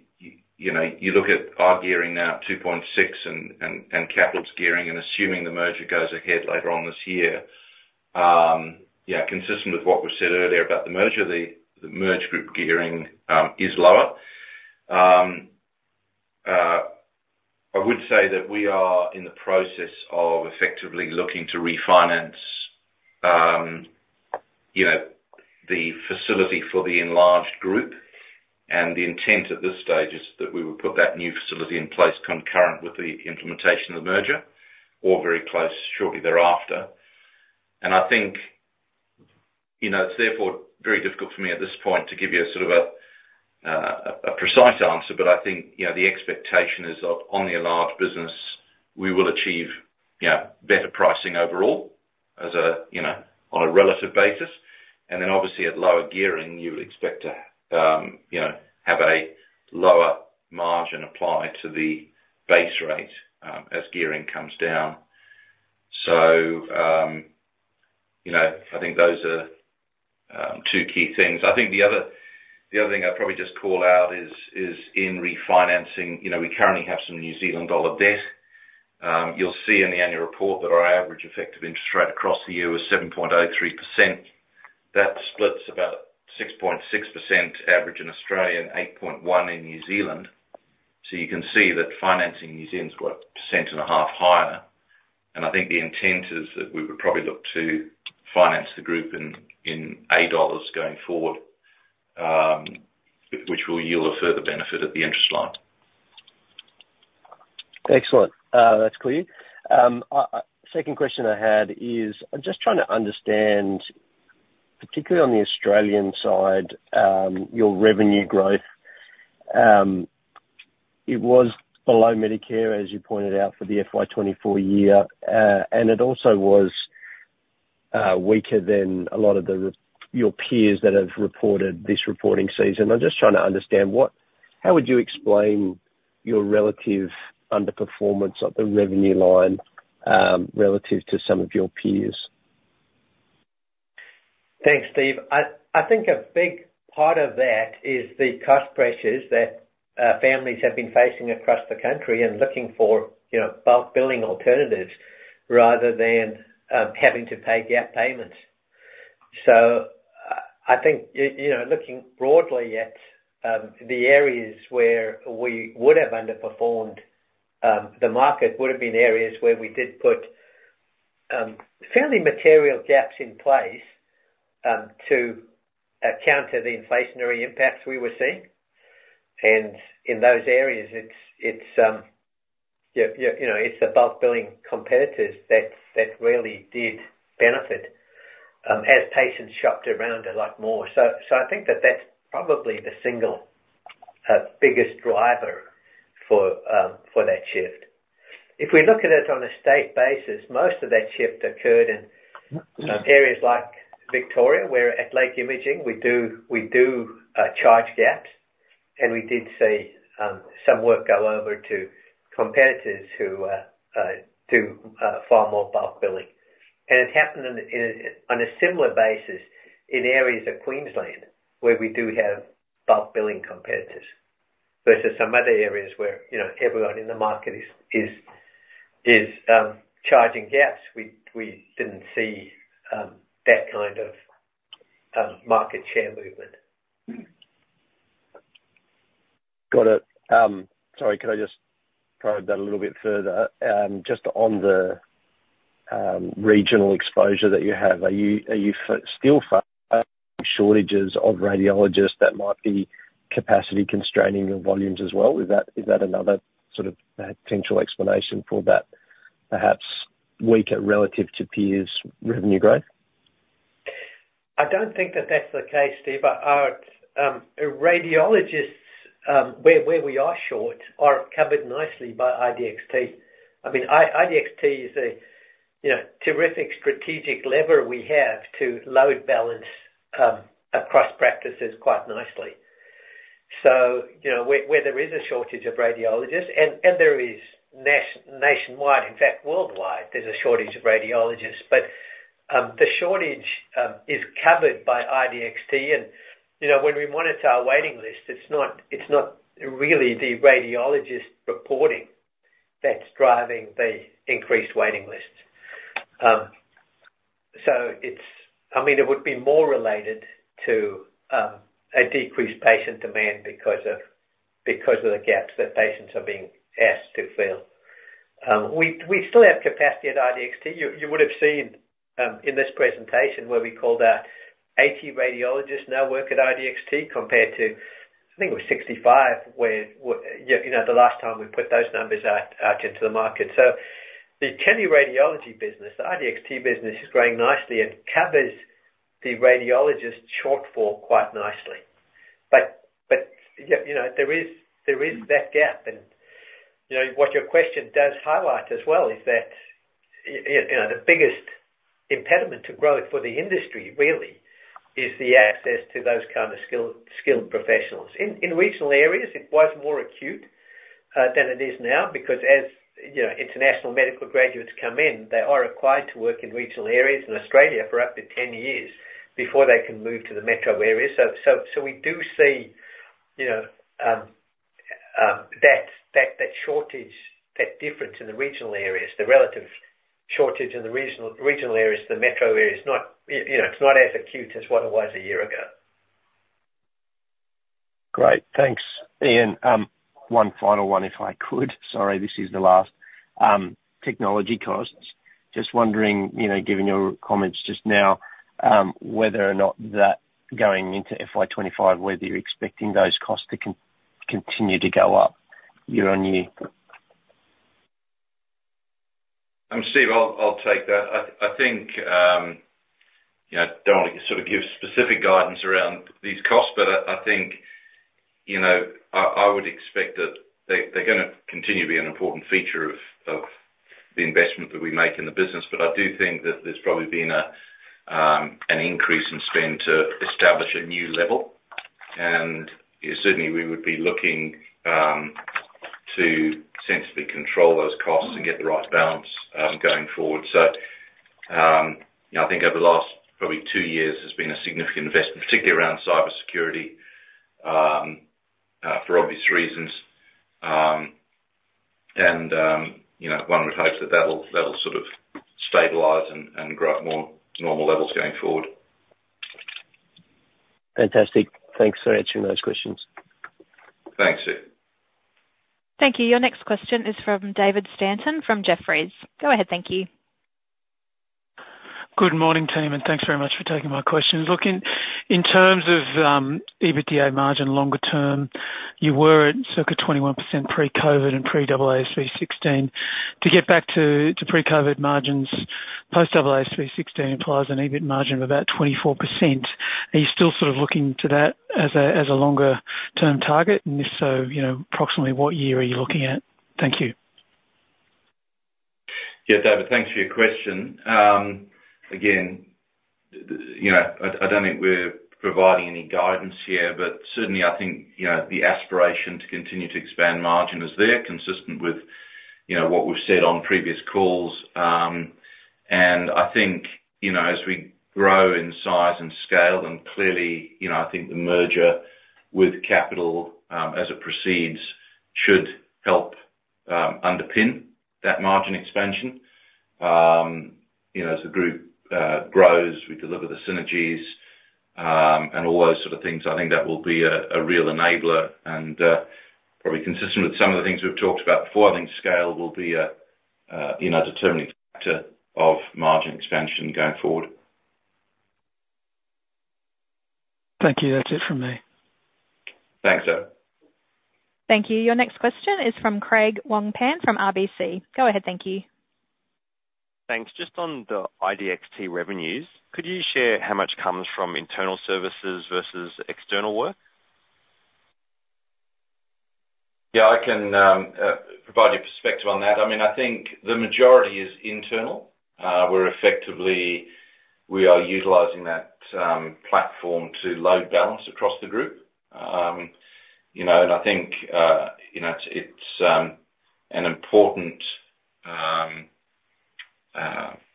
you know, you look at our gearing now, 2.6, and Capital's gearing, and assuming the merger goes ahead later on this year, yeah, consistent with what was said earlier about the merger, the merged group gearing is lower. I would say that we are in the process of effectively looking to refinance, you know, the facility for the enlarged group, and the intent at this stage is that we will put that new facility in place concurrent with the implementation of the merger, or very close, shortly thereafter. And I think, you know, it's therefore very difficult for me at this point to give you a sort of a precise answer, but I think, you know, the expectation is on the enlarged business, we will achieve, you know, better pricing overall as a, you know, on a relative basis. And then obviously at lower gearing, you would expect to, you know, have a lower margin applied to the base rate, as gearing comes down. So, you know, I think those are two key things. I think the other thing I'd probably just call out is in refinancing. You know, we currently have some New Zealand dollar debt. You'll see in the annual report that our average effective interest rate across the year was 7.03%. That splits about 6.6% average in Australia and 8.1% in New Zealand. So you can see that financing in New Zealand is about a percent and a half higher. And I think the intent is that we would probably look to finance the group in AUD going forward, which will yield a further benefit at the interest line. Excellent. That's clear. Second question I had is, I'm just trying to understand, particularly on the Australian side, your revenue growth. It was below Medicare, as you pointed out, for the FY 2024 year, and it also was weaker than a lot of the, your peers that have reported this reporting season. I'm just trying to understand what-- how would you explain your relative underperformance at the revenue line, relative to some of your peers? Thanks, Steve. I think a big part of that is the cost pressures that families have been facing across the country and looking for, you know, bulk billing alternatives rather than having to pay gap payments. So I think you know, looking broadly at the areas where we would have underperformed the market, would have been areas where we did put fairly material gaps in place to counter the inflationary impacts we were seeing. And in those areas, it's yeah, you know, it's the bulk billing competitors that really did benefit as patients shopped around a lot more. So I think that that's probably the single biggest driver for that shift. If we look at it on a state basis, most of that shift occurred in areas like Victoria, where at Lake Imaging we do charge gaps, and we did see some work go over to competitors who do far more bulk billing. And it happened on a similar basis in areas of Queensland, where we do have bulk billing competitors, versus some other areas where, you know, everyone in the market is charging gaps. We didn't see that kind of market share movement. Got it. Sorry, could I just probe that a little bit further? Just on the regional exposure that you have, are you still facing shortages of radiologists that might be capacity constraining your volumes as well? Is that another sort of potential explanation for that, perhaps weaker relative to peers' revenue growth? I don't think that's the case, Steve, but our radiologists, where we are short, are covered nicely by IDXT. I mean, IDXT is a you know terrific strategic lever we have to load balance across practices quite nicely. So, you know, where there is a shortage of radiologists, and there is nationwide, in fact, worldwide, there's a shortage of radiologists. But the shortage is covered by IDXT. And, you know, when we monitor our waiting list, it's not really the radiologist reporting that's driving the increased waiting lists. So, it's. I mean, it would be more related to a decreased patient demand because of the gaps that patients are being asked to fill. We still have capacity at IDXT. You would've seen in this presentation where we call that 80 radiologists now work at IDXT, compared to, I think it was 65, you know, the last time we put those numbers out into the market. So the teleradiology business, the IDXT business, is growing nicely and covers the radiologists' shortfall quite nicely. But yeah, you know, there is that gap, and you know, what your question does highlight as well is that you know, the biggest impediment to growth for the industry really is the access to those kind of skilled professionals. In regional areas, it was more acute than it is now, because, you know, international medical graduates come in, they are required to work in regional areas in Australia for up to ten years before they can move to the metro area. So we do see, you know, that shortage, that difference in the regional areas, the relative shortage in the regional areas, the metro areas, not you know, it's not as acute as what it was a year ago. Great. Thanks, Ian. One final one, if I could. Sorry, this is the last. Technology costs. Just wondering, you know, given your comments just now, whether or not that going into FY twenty-five, whether you're expecting those costs to continue to go up year on year? Steve, I'll take that. I think, you know, don't want to sort of give specific guidance around these costs, but I think, you know, I would expect that they're gonna continue to be an important feature of the investment that we make in the business. But I do think that there's probably been an increase in spend to establish a new level. And certainly, we would be looking to sensibly control those costs and get the right balance going forward. So, you know, I think over the last probably two years, there's been a significant investment, particularly around cybersecurity, for obvious reasons. And, you know, one would hope that that'll sort of stabilize and grow at more normal levels going forward. Fantastic. Thanks for answering those questions. Thanks, Steve. Thank you. Your next question is from David Stanton from Jefferies. Go ahead, thank you. Good morning, team, and thanks very much for taking my questions. Look, in terms of EBITDA margin longer term, you were at circa 21% pre-COVID and pre-AASB 16. To get back to pre-COVID margins, post AASB 16 implies an EBIT margin of about 24%. Are you still sort of looking to that as a longer-term target? And if so, you know, approximately what year are you looking at? Thank you. Yeah, David, thanks for your question. Again, you know, I don't think we're providing any guidance here, but certainly I think, you know, the aspiration to continue to expand margin is there, consistent with, you know, what we've said on previous calls. And I think, you know, as we grow in size and scale, then clearly, you know, I think the merger with Capital, as it proceeds, should help underpin that margin expansion. You know, as the group grows, we deliver the synergies, and all those sort of things. I think that will be a real enabler, and probably consistent with some of the things we've talked about before, I think scale will be a you know, determining factor of margin expansion going forward. Thank you. That's it from me. Thanks, sir. Thank you. Your next question is from Craig Wong-Pan from RBC. Go ahead, thank you. Thanks. Just on the IDXT revenues, could you share how much comes from internal services versus external work? Yeah, I can provide you perspective on that. I mean, I think the majority is internal. We are utilizing that platform to load balance across the group. You know, and I think, you know, it's an important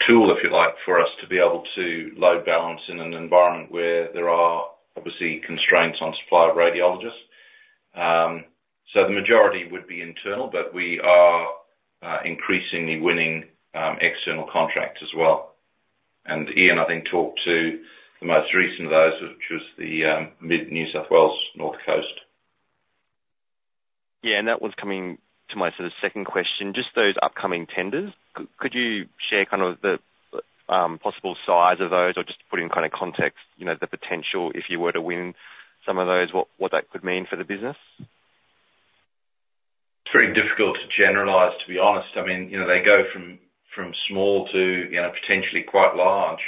tool, if you like, for us to be able to load balance in an environment where there are obviously constraints on supply of radiologists. So the majority would be internal, but we are increasingly winning external contracts as well. And Ian, I think, talked to the most recent of those, which was the mid-New South Wales North Coast. Yeah, and that was coming to my sort of second question, just those upcoming tenders. Could you share kind of the possible size of those, or just to put in kind of context, you know, the potential, if you were to win some of those, what that could mean for the business? It's very difficult to generalize, to be honest. I mean, you know, they go from small to, you know, potentially quite large.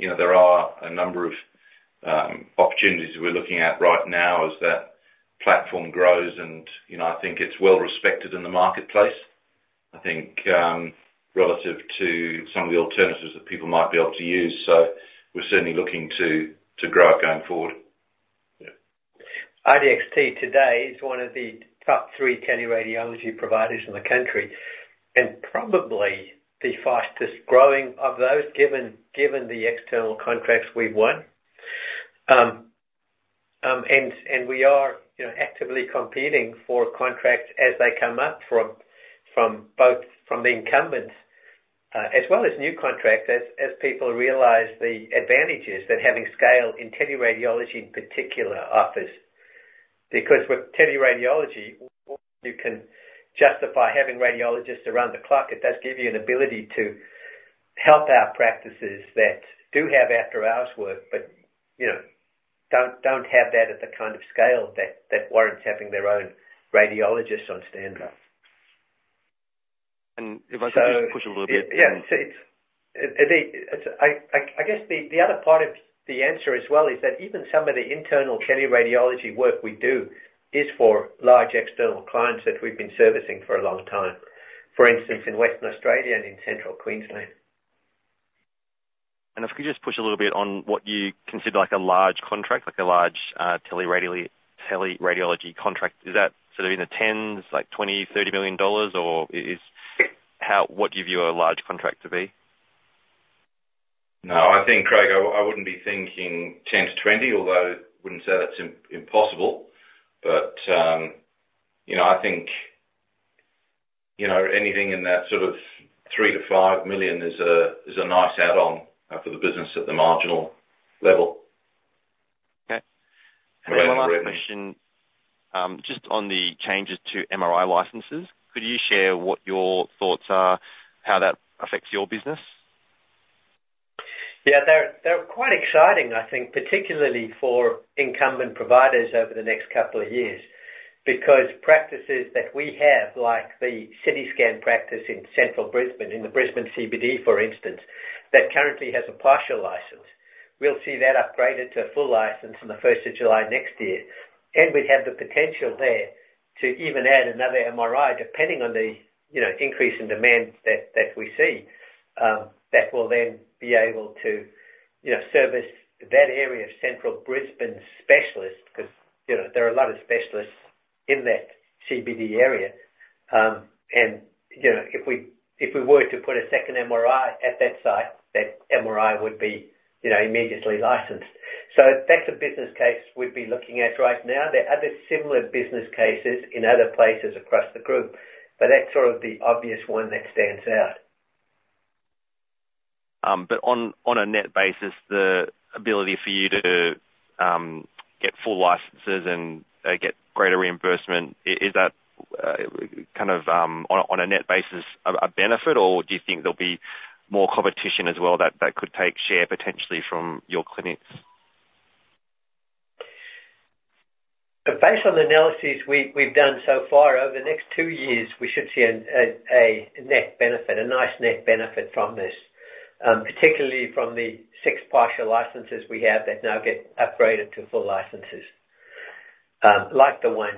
You know, there are a number of opportunities we're looking at right now as that platform grows, and, you know, I think it's well-respected in the marketplace. I think, relative to some of the alternatives that people might be able to use, so we're certainly looking to grow it going forward. Yeah. IDXT today is one of the top three teleradiology providers in the country, and probably the fastest growing of those, given the external contracts we've won. And we are, you know, actively competing for contracts as they come up from both the incumbents, as well as new contracts, as people realize the advantages that having scale in teleradiology in particular offers. Because with teleradiology, you can justify having radiologists around the clock. It does give you an ability to help our practices that do have after-hours work, but, you know, don't have that at the kind of scale that warrants having their own radiologists on standby. And if I could just push a little bit- Yeah, see, I guess the other part of the answer as well is that even some of the internal teleradiology work we do is for large external clients that we've been servicing for a long time. For instance, in Western Australia and in Central Queensland. And if we could just push a little bit on what you consider like a large contract, like a large teleradiology contract. Is that sort of in the tens, like 20 million, 30 million dollars, or what gives you a large contract to be? No, I think, Craig, I wouldn't be thinking 10-20, although I wouldn't say that's impossible. But, you know, I think, you know, anything in that sort of 3-5 million is a nice add-on for the business at the marginal level. Okay. And then- My last question, just on the changes to MRI licenses, could you share what your thoughts are, how that affects your business? Yeah, they're quite exciting, I think, particularly for incumbent providers over the next couple of years, because practices that we have, like the CitiScan practice in central Brisbane, in the Brisbane CBD, for instance, that currently has a partial license. We'll see that upgraded to a full license on the first of July next year. And we have the potential there to even add another MRI, depending on the, you know, increase in demand that we see, that will then be able to, you know, service that area of Central Brisbane specialists, because, you know, there are a lot of specialists in that CBD area. And, you know, if we were to put a second MRI at that site, that MRI would be, you know, immediately licensed. So that's a business case we'd be looking at right now. There are other similar business cases in other places across the group, but that's sort of the obvious one that stands out. But on a net basis, the ability for you to get full licenses and get greater reimbursement, is that kind of on a net basis a benefit, or do you think there'll be more competition as well, that could take share potentially from your clinics? Based on the analyses we've done so far, over the next two years, we should see a net benefit, a nice net benefit from this. Particularly from the six partial licenses we have that now get upgraded to full licenses. Like the one,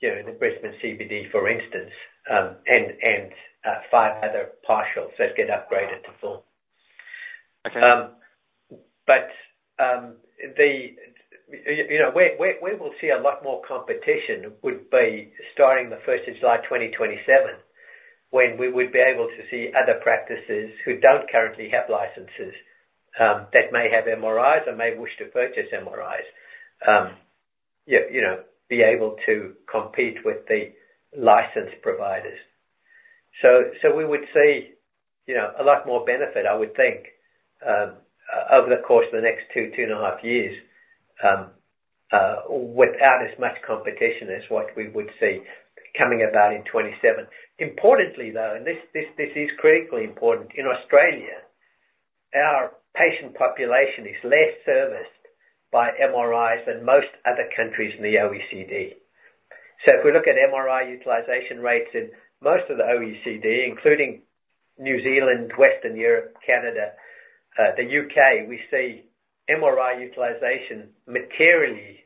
you know, in the Brisbane CBD, for instance, and five other partials that get upgraded to full. Okay. But you know, where we will see a lot more competition would be starting the first of July 2027, when we would be able to see other practices who don't currently have licenses, that may have MRIs or may wish to purchase MRIs, you know, be able to compete with the licensed providers. So we would see, you know, a lot more benefit, I would think, over the course of the next two and a half years, without as much competition as what we would see coming about in 2027. Importantly, though, this is critically important, in Australia, our patient population is less serviced by MRIs than most other countries in the OECD. So if we look at MRI utilization rates in most of the OECD, including New Zealand, Western Europe, Canada, the U.K., we see MRI utilization materially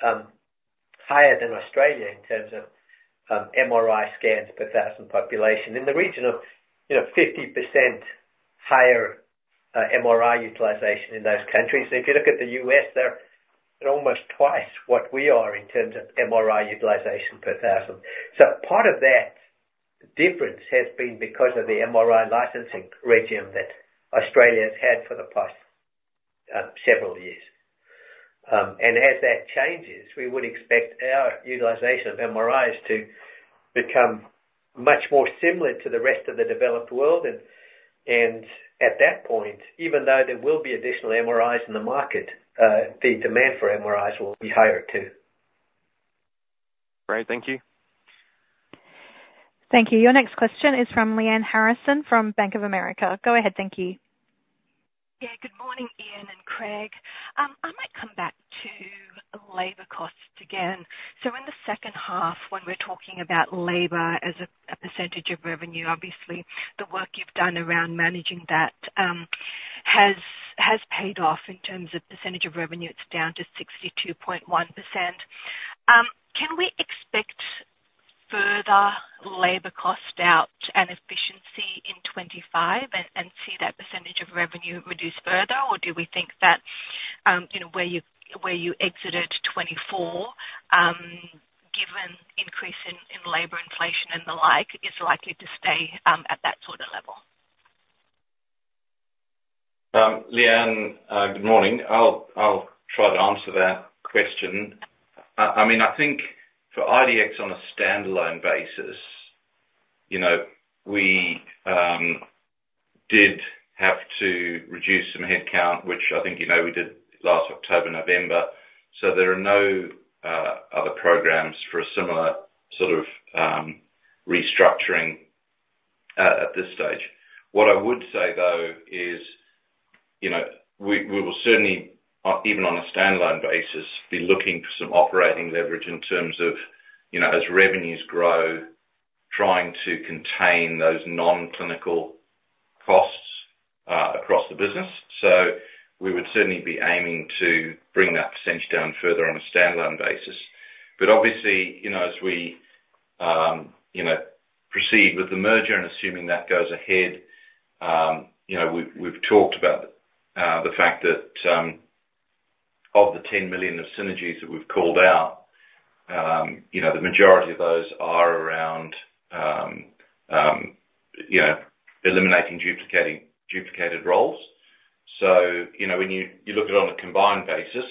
higher than Australia in terms of MRI scans per thousand population. In the region of, you know, 50% higher MRI utilization in those countries. If you look at the U.S., they're almost twice what we are in terms of MRI utilization per thousand. So part of that difference has been because of the MRI licensing regime that Australia's had for the past several years. And as that changes, we would expect our utilization of MRIs to become much more similar to the rest of the developed world, and at that point, even though there will be additional MRIs in the market, the demand for MRIs will be higher, too. Great. Thank you. Thank you. Your next question is from Lyanne Harrison, from Bank of America. Go ahead, thank you. Yeah, good morning, Ian and Craig. I might come back to labor costs again. So in the second half, when we're talking about labor as a percentage of revenue, obviously, the work you've done around managing that has paid off. In terms of percentage of revenue, it's down to 62.1%. Can we expect further labor cost out and efficiency in 2025, and see that percentage of revenue reduce further? Or do we think that, you know, where you exited 2024, given increase in labor inflation and the like, is likely to stay at that sort of level? Leanne, good morning. I'll try to answer that question. I mean, I think for IDXT on a standalone basis, you know, we did have to reduce some headcount, which I think, you know, we did last October, November. So there are no other programs for a similar sort of restructuring at this stage. What I would say, though, is, you know, we, we will certainly even on a standalone basis, be looking for some operating leverage in terms of, you know, as revenues grow, trying to contain those non-clinical costs across the business. So we would certainly be aiming to bring that percentage down further on a standalone basis. But obviously, you know, as we, you know, proceed with the merger and assuming that goes ahead, you know, we've talked about the fact that of the 10 million of synergies that we've called out, you know, the majority of those are around, you know, eliminating duplicated roles. So, you know, when you look at it on a combined basis,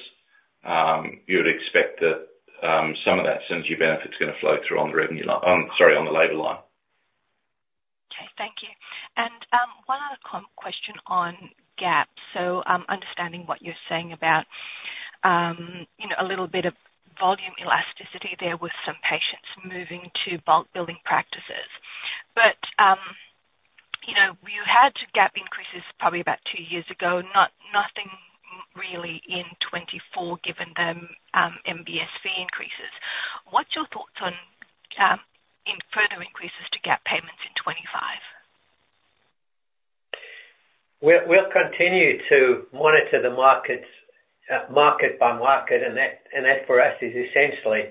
you would expect that some of that synergy benefit's gonna flow through on the revenue line, sorry, on the labor line. Okay, thank you. And one other question on GAP. So, understanding what you're saying about, you know, a little bit of volume elasticity there, with some patients moving to bulk billing practices. But, you know, you had GAP increases probably about two years ago, nothing really in 2024, given the MBS fee increases. What's your thoughts on further increases to GAP payments in 2025? We'll continue to monitor the markets, market by market, and that for us is essentially,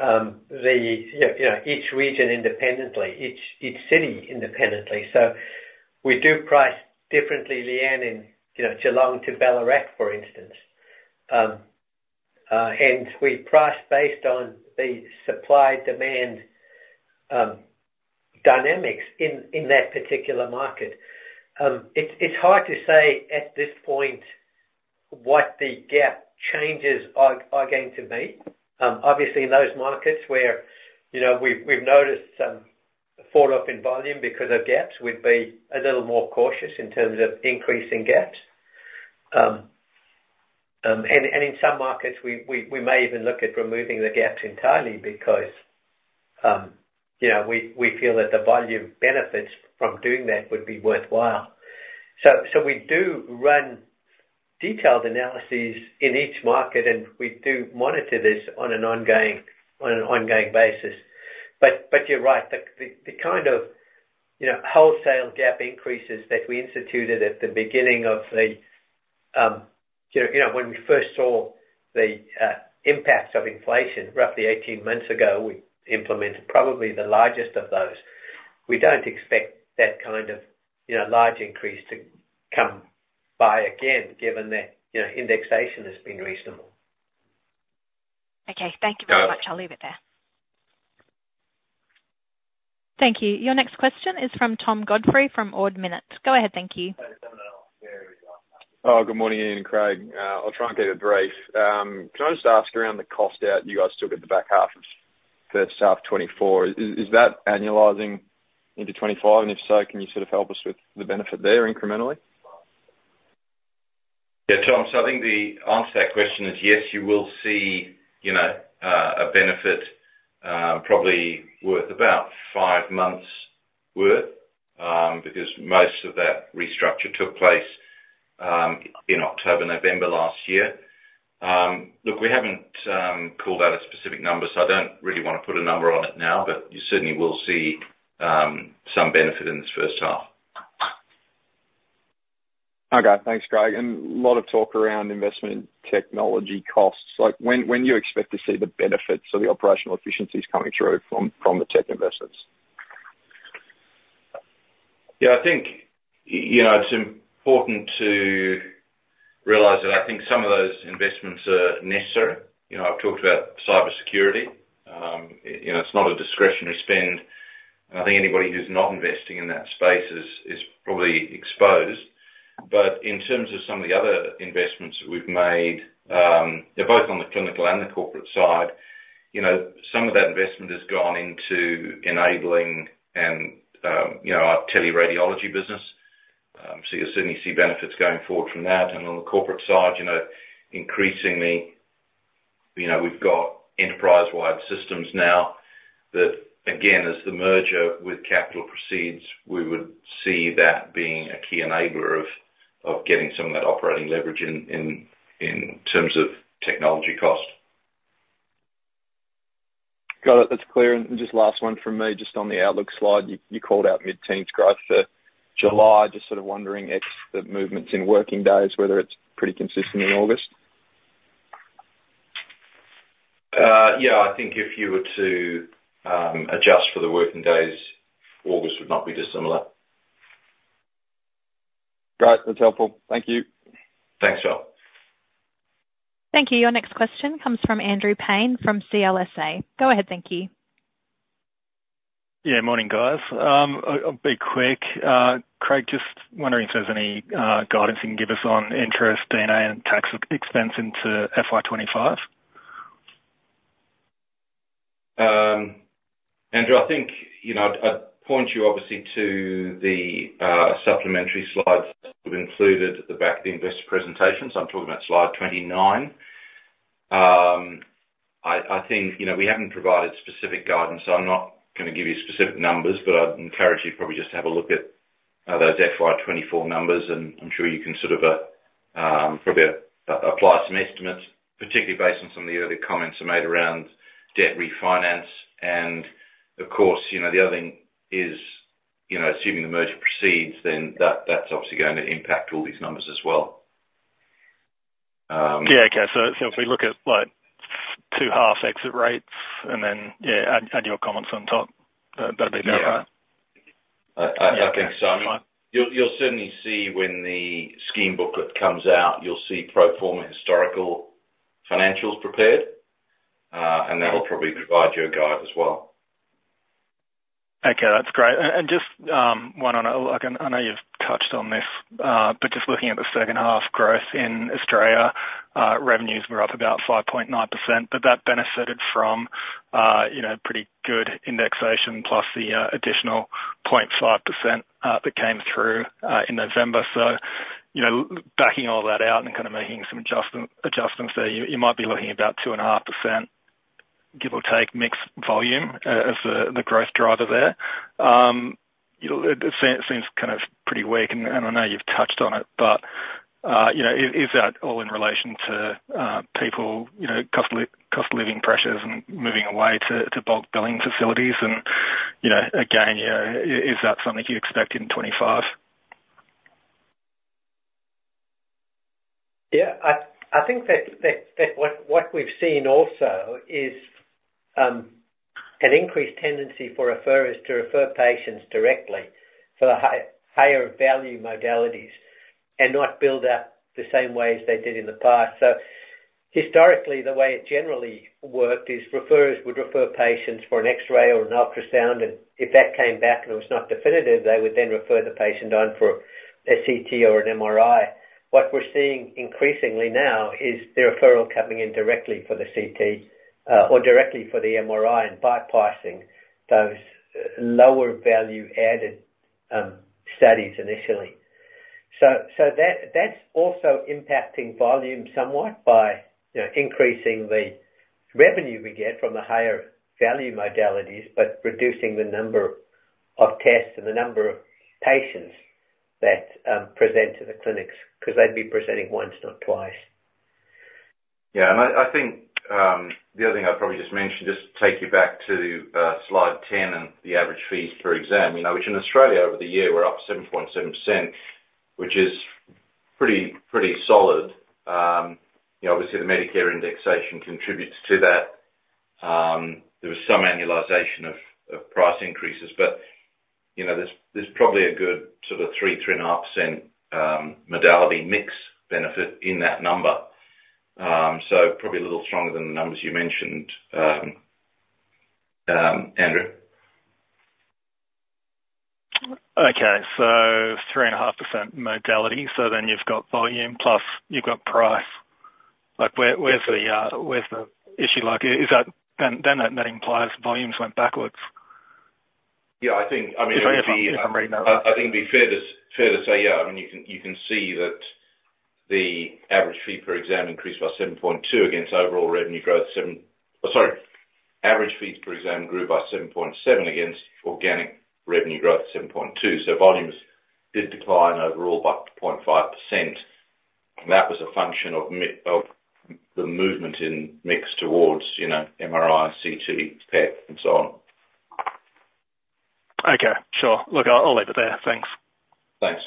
you know, each region independently, each city independently. So we do price differently, Leanne, in, you know, Geelong to Ballarat, for instance. And we price based on the supply-demand dynamics in that particular market. It's hard to say at this point what the GAP changes are going to be. Obviously, in those markets where, you know, we've noticed some falloff in volume because of GAPs, we'd be a little more cautious in terms of increasing GAPs. And in some markets we may even look at removing the GAPs entirely because, you know, we feel that the volume benefits from doing that would be worthwhile. So we do run detailed analyses in each market, and we do monitor this on an ongoing basis. But you're right, the kind of, you know, wholesale gap increases that we instituted at the beginning of the, you know, when we first saw the impacts of inflation roughly 18 months ago, we implemented probably the largest of those. We don't expect that kind of, you know, large increase to come by again, given that, you know, indexation has been reasonable. Okay, thank you very much. I'll leave it there. Thank you. Your next question is from Tom Godfrey from Ord Minnett. Go ahead, thank you. Oh, good morning, Ian and Craig. I'll try and keep it brief. Can I just ask around the cost out you guys took at the back half of first half 2024? Is, is, is that annualizing into 2025? And if so, can you sort of help us with the benefit there incrementally? ... Yeah, Tom, so I think the answer to that question is yes, you will see, you know, a benefit, probably worth about five months' worth, because most of that restructure took place in October, November last year. Look, we haven't called out a specific number, so I don't really want to put a number on it now, but you certainly will see some benefit in this first half. Okay, thanks, Craig, and a lot of talk around investment in technology costs. Like, when do you expect to see the benefits of the operational efficiencies coming through from the tech investments? Yeah, I think, you know, it's important to realize that I think some of those investments are necessary. You know, I've talked about cybersecurity. You know, it's not a discretionary spend, and I think anybody who's not investing in that space is probably exposed. But in terms of some of the other investments that we've made, they're both on the clinical and the corporate side, you know, some of that investment has gone into enabling and, you know, our teleradiology business. So you'll certainly see benefits going forward from that. And on the corporate side, you know, increasingly, you know, we've got enterprise-wide systems now that, again, as the merger with Capital Health proceeds, we would see that being a key enabler of getting some of that operating leverage in terms of technology cost. Got it. That's clear. And just last one from me, just on the outlook slide, you called out mid-teens growth for July. Just sort of wondering if the movements in working days, whether it's pretty consistent in August? Yeah, I think if you were to adjust for the working days, August would not be dissimilar. Great! That's helpful. Thank you. Thanks, Tom. Thank you. Your next question comes from Andrew Paine from CLSA. Go ahead, thank you. Yeah, morning, guys. I'll be quick. Craig, just wondering if there's any guidance you can give us on interest, net debt, and tax expense into FY twenty-five? Andrew, I think, you know, I'd point you obviously to the supplementary slides we've included at the back of the investor presentation, so I'm talking about slide 29. I think, you know, we haven't provided specific guidance, so I'm not gonna give you specific numbers, but I'd encourage you probably just to have a look at those FY 2024 numbers, and I'm sure you can sort of probably apply some estimates, particularly based on some of the earlier comments I made around debt refinance. Of course, you know, the other thing is, you know, assuming the merger proceeds, then that's obviously going to impact all these numbers as well. Yeah, okay. So if we look at, like, two half exit rates and then, yeah, add your comments on top, that'd be better? Yeah. I think so. Fine. You'll certainly see when the scheme booklet comes out. You'll see pro forma historical financials prepared, and that'll probably provide you a guide as well. Okay, that's great. And just, like, one on, I know you've touched on this, but just looking at the second half growth in Australia, revenues were up about 5.9%, but that benefited from, you know, pretty good indexation plus the additional 0.5%, that came through in November. So, you know, backing all that out and kind of making some adjustments there, you might be looking at about 2.5%, give or take, mix volume as the growth driver there. You know, it seems kind of pretty weak, and I know you've touched on it, but you know, is that all in relation to people, you know, cost of living pressures and moving away to bulk billing facilities? You know, again, is that something you expect in 2025? Yeah, I think that what we've seen also is an increased tendency for referrers to refer patients directly to the higher value modalities, and not build up the same way as they did in the past. So historically, the way it generally worked is referrers would refer patients for an X-ray or an ultrasound, and if that came back and it was not definitive, they would then refer the patient on for a CT or an MRI. What we're seeing increasingly now is the referral coming in directly for the CT, or directly for the MRI, and bypassing those lower value-added studies initially. So that's also impacting volume somewhat by, you know, increasing the revenue we get from the higher value modalities, but reducing the number of tests and the number of patients that present to the clinics, 'cause they'd be presenting once, not twice. Yeah, and I think the other thing I'd probably just mention, just to take you back to slide 10 and the average fees per exam, you know, which in Australia over the year were up 7.7%, which is pretty solid. You know, obviously, the Medicare indexation contributes to that. There was some annualization of price increases, but you know, there's probably a good sort of three and a half percent modality mix benefit in that number. So probably a little stronger than the numbers you mentioned, Andrew. Okay, so 3.5% modality, so then you've got volume plus you've got price. Like, where's the issue? Like, is that then that implies volumes went backwards. Yeah, I think, I mean, I think it'd be fair to say, yeah, I mean, you can see that the average fee per exam increased by 7.2 against overall revenue growth, seven. Oh, sorry. Average fees per exam grew by 7.7 against organic revenue growth of 7.2. So volumes did decline overall by 0.5%, and that was a function of the movement in mix towards, you know, MRI, CT, PET, and so on. Okay, sure. Look, I'll, I'll leave it there. Thanks. Thanks.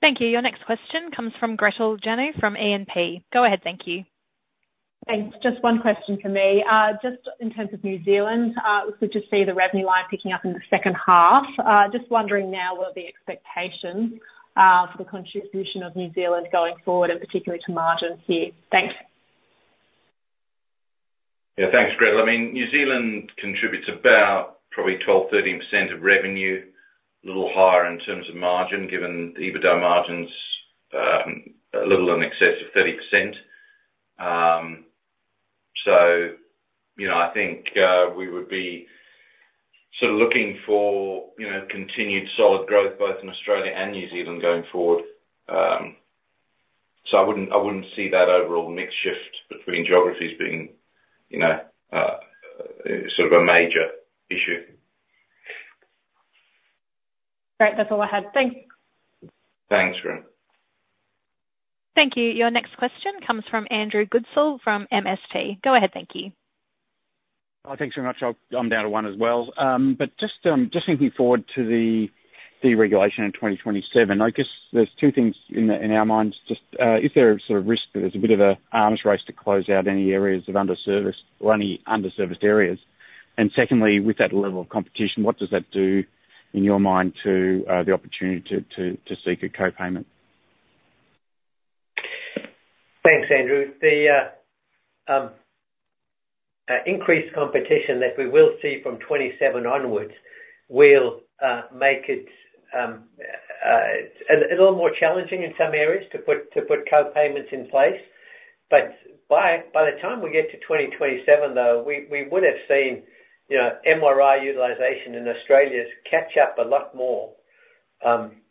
Thank you. Your next question comes from Gretel Janu from E&P. Go ahead, thank you. Thanks. Just one question for me. Just in terms of New Zealand, we could just see the revenue line picking up in the second half. Just wondering now, what are the expectations for the contribution of New Zealand going forward, and particularly to margin here? Thanks. Yeah, thanks, Gretel. I mean, New Zealand contributes about probably 12-13% of revenue, a little higher in terms of margin, given the EBITDA margins, a little in excess of 30%. So, you know, I think we would be sort of looking for, you know, continued solid growth, both in Australia and New Zealand going forward. So I wouldn't see that overall mix shift between geographies being, you know, sort of a major issue. Great. That's all I had. Thanks. Thanks, Gretel. Thank you. Your next question comes from Andrew Goodsall from MST. Go ahead, thank you. Thanks very much. I'm down to one as well. But just thinking forward to the deregulation in twenty twenty-seven, I guess there's two things in our minds. Is there a sort of risk that there's a bit of an arms race to close out any underserviced areas? And secondly, with that level of competition, what does that do, in your mind, to the opportunity to seek a co-payment? Thanks, Andrew. The increased competition that we will see from 2027 onwards will make it a little more challenging in some areas to put gap payments in place. But by the time we get to 2027, though, we would've seen, you know, MRI utilization in Australia catch up a lot more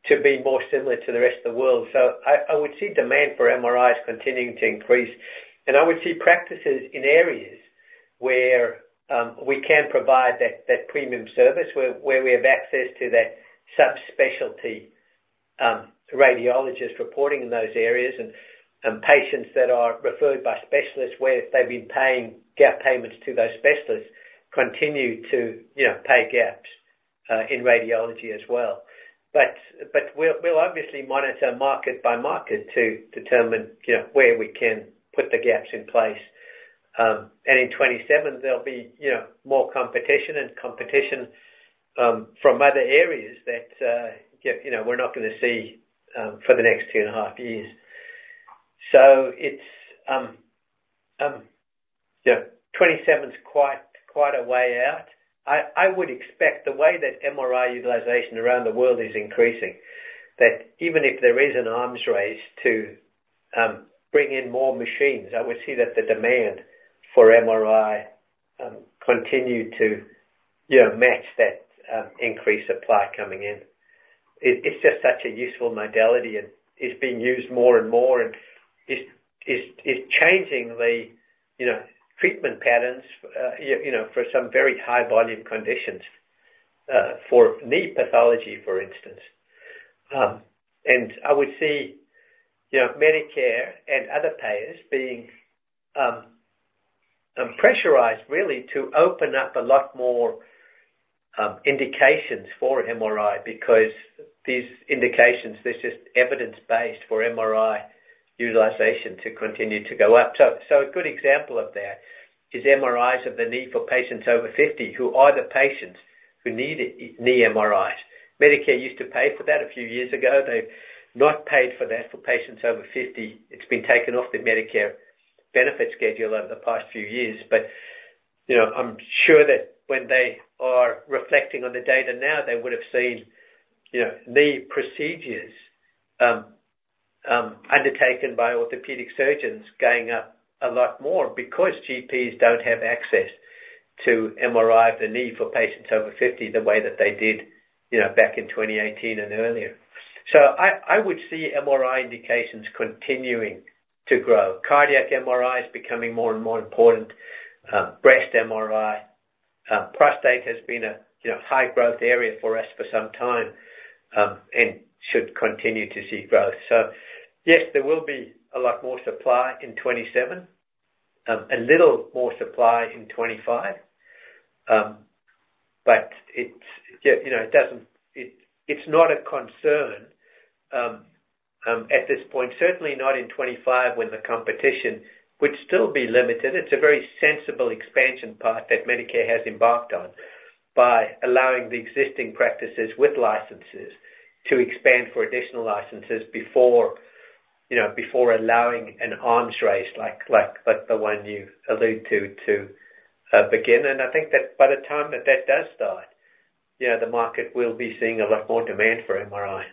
to be more similar to the rest of the world. So I would see demand for MRIs continuing to increase, and I would see practices in areas where we can provide that premium service, where we have access to that subspecialty radiologist reporting in those areas, and patients that are referred by specialists, where they've been paying gap payments to those specialists, continue to, you know, pay gaps in radiology as well. But we'll obviously monitor market by market to determine, you know, where we can put the gaps in place. And in 2027, there'll be, you know, more competition, and competition from other areas that you know, we're not gonna see for the next two and a half years. So it's yeah, 2027's quite a way out. I would expect the way that MRI utilization around the world is increasing, that even if there is an arms race to bring in more machines, I would see that the demand for MRI continue to, you know, match that increased supply coming in. It's just such a useful modality, and it's being used more and more, and it's changing the, you know, treatment patterns, you know, for some very high volume conditions, for knee pathology, for instance. And I would see, you know, Medicare and other payers being pressurized really to open up a lot more indications for MRI, because these indications, there's just evidence based for MRI utilization to continue to go up. So a good example of that is MRIs of the knee for patients over fifty, who are the patients who need it, knee MRIs. Medicare used to pay for that a few years ago. They've not paid for that for patients over fifty. It's been taken off the Medicare benefit schedule over the past few years, but, you know, I'm sure that when they are reflecting on the data now, they would've seen, you know, knee procedures undertaken by orthopedic surgeons going up a lot more because GPs don't have access to MRI of the knee for patients over 50, the way that they did, you know, back in 2018 and earlier. So I would see MRI indications continuing to grow. Cardiac MRI is becoming more and more important. Breast MRI, prostate has been a, you know, high growth area for us for some time, and should continue to see growth. So yes, there will be a lot more supply in 2027, a little more supply in 2025. but it's, you know, it doesn't, it's not a concern at this point, certainly not in twenty twenty-five, when the competition would still be limited. It's a very sensible expansion path that Medicare has embarked on, by allowing the existing practices with licenses to expand for additional licenses before, you know, before allowing an arms race, like the one you allude to, to begin, and I think that by the time that that does start, you know, the market will be seeing a lot more demand for MRI.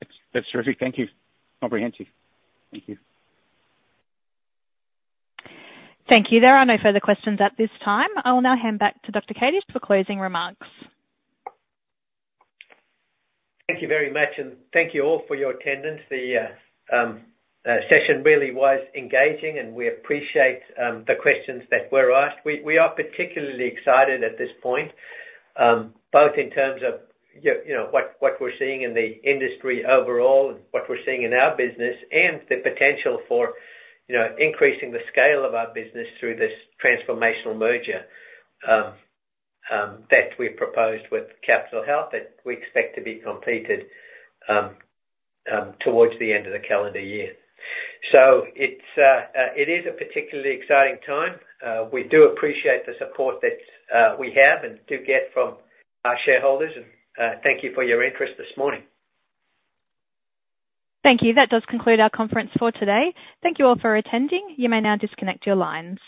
That's, that's terrific. Thank you. Comprehensive. Thank you. Thank you. There are no further questions at this time. I will now hand back to Dr. Kadish for closing remarks. Thank you very much, and thank you all for your attendance. The session really was engaging, and we appreciate the questions that were asked. We are particularly excited at this point, both in terms of you know, what we're seeing in the industry overall, and what we're seeing in our business, and the potential for, you know, increasing the scale of our business through this transformational merger that we've proposed with Capitol Health, that we expect to be completed towards the end of the calendar year. So it's it is a particularly exciting time. We do appreciate the support that we have and do get from our shareholders, and thank you for your interest this morning. Thank you. That does conclude our conference for today. Thank you all for attending. You may now disconnect your lines.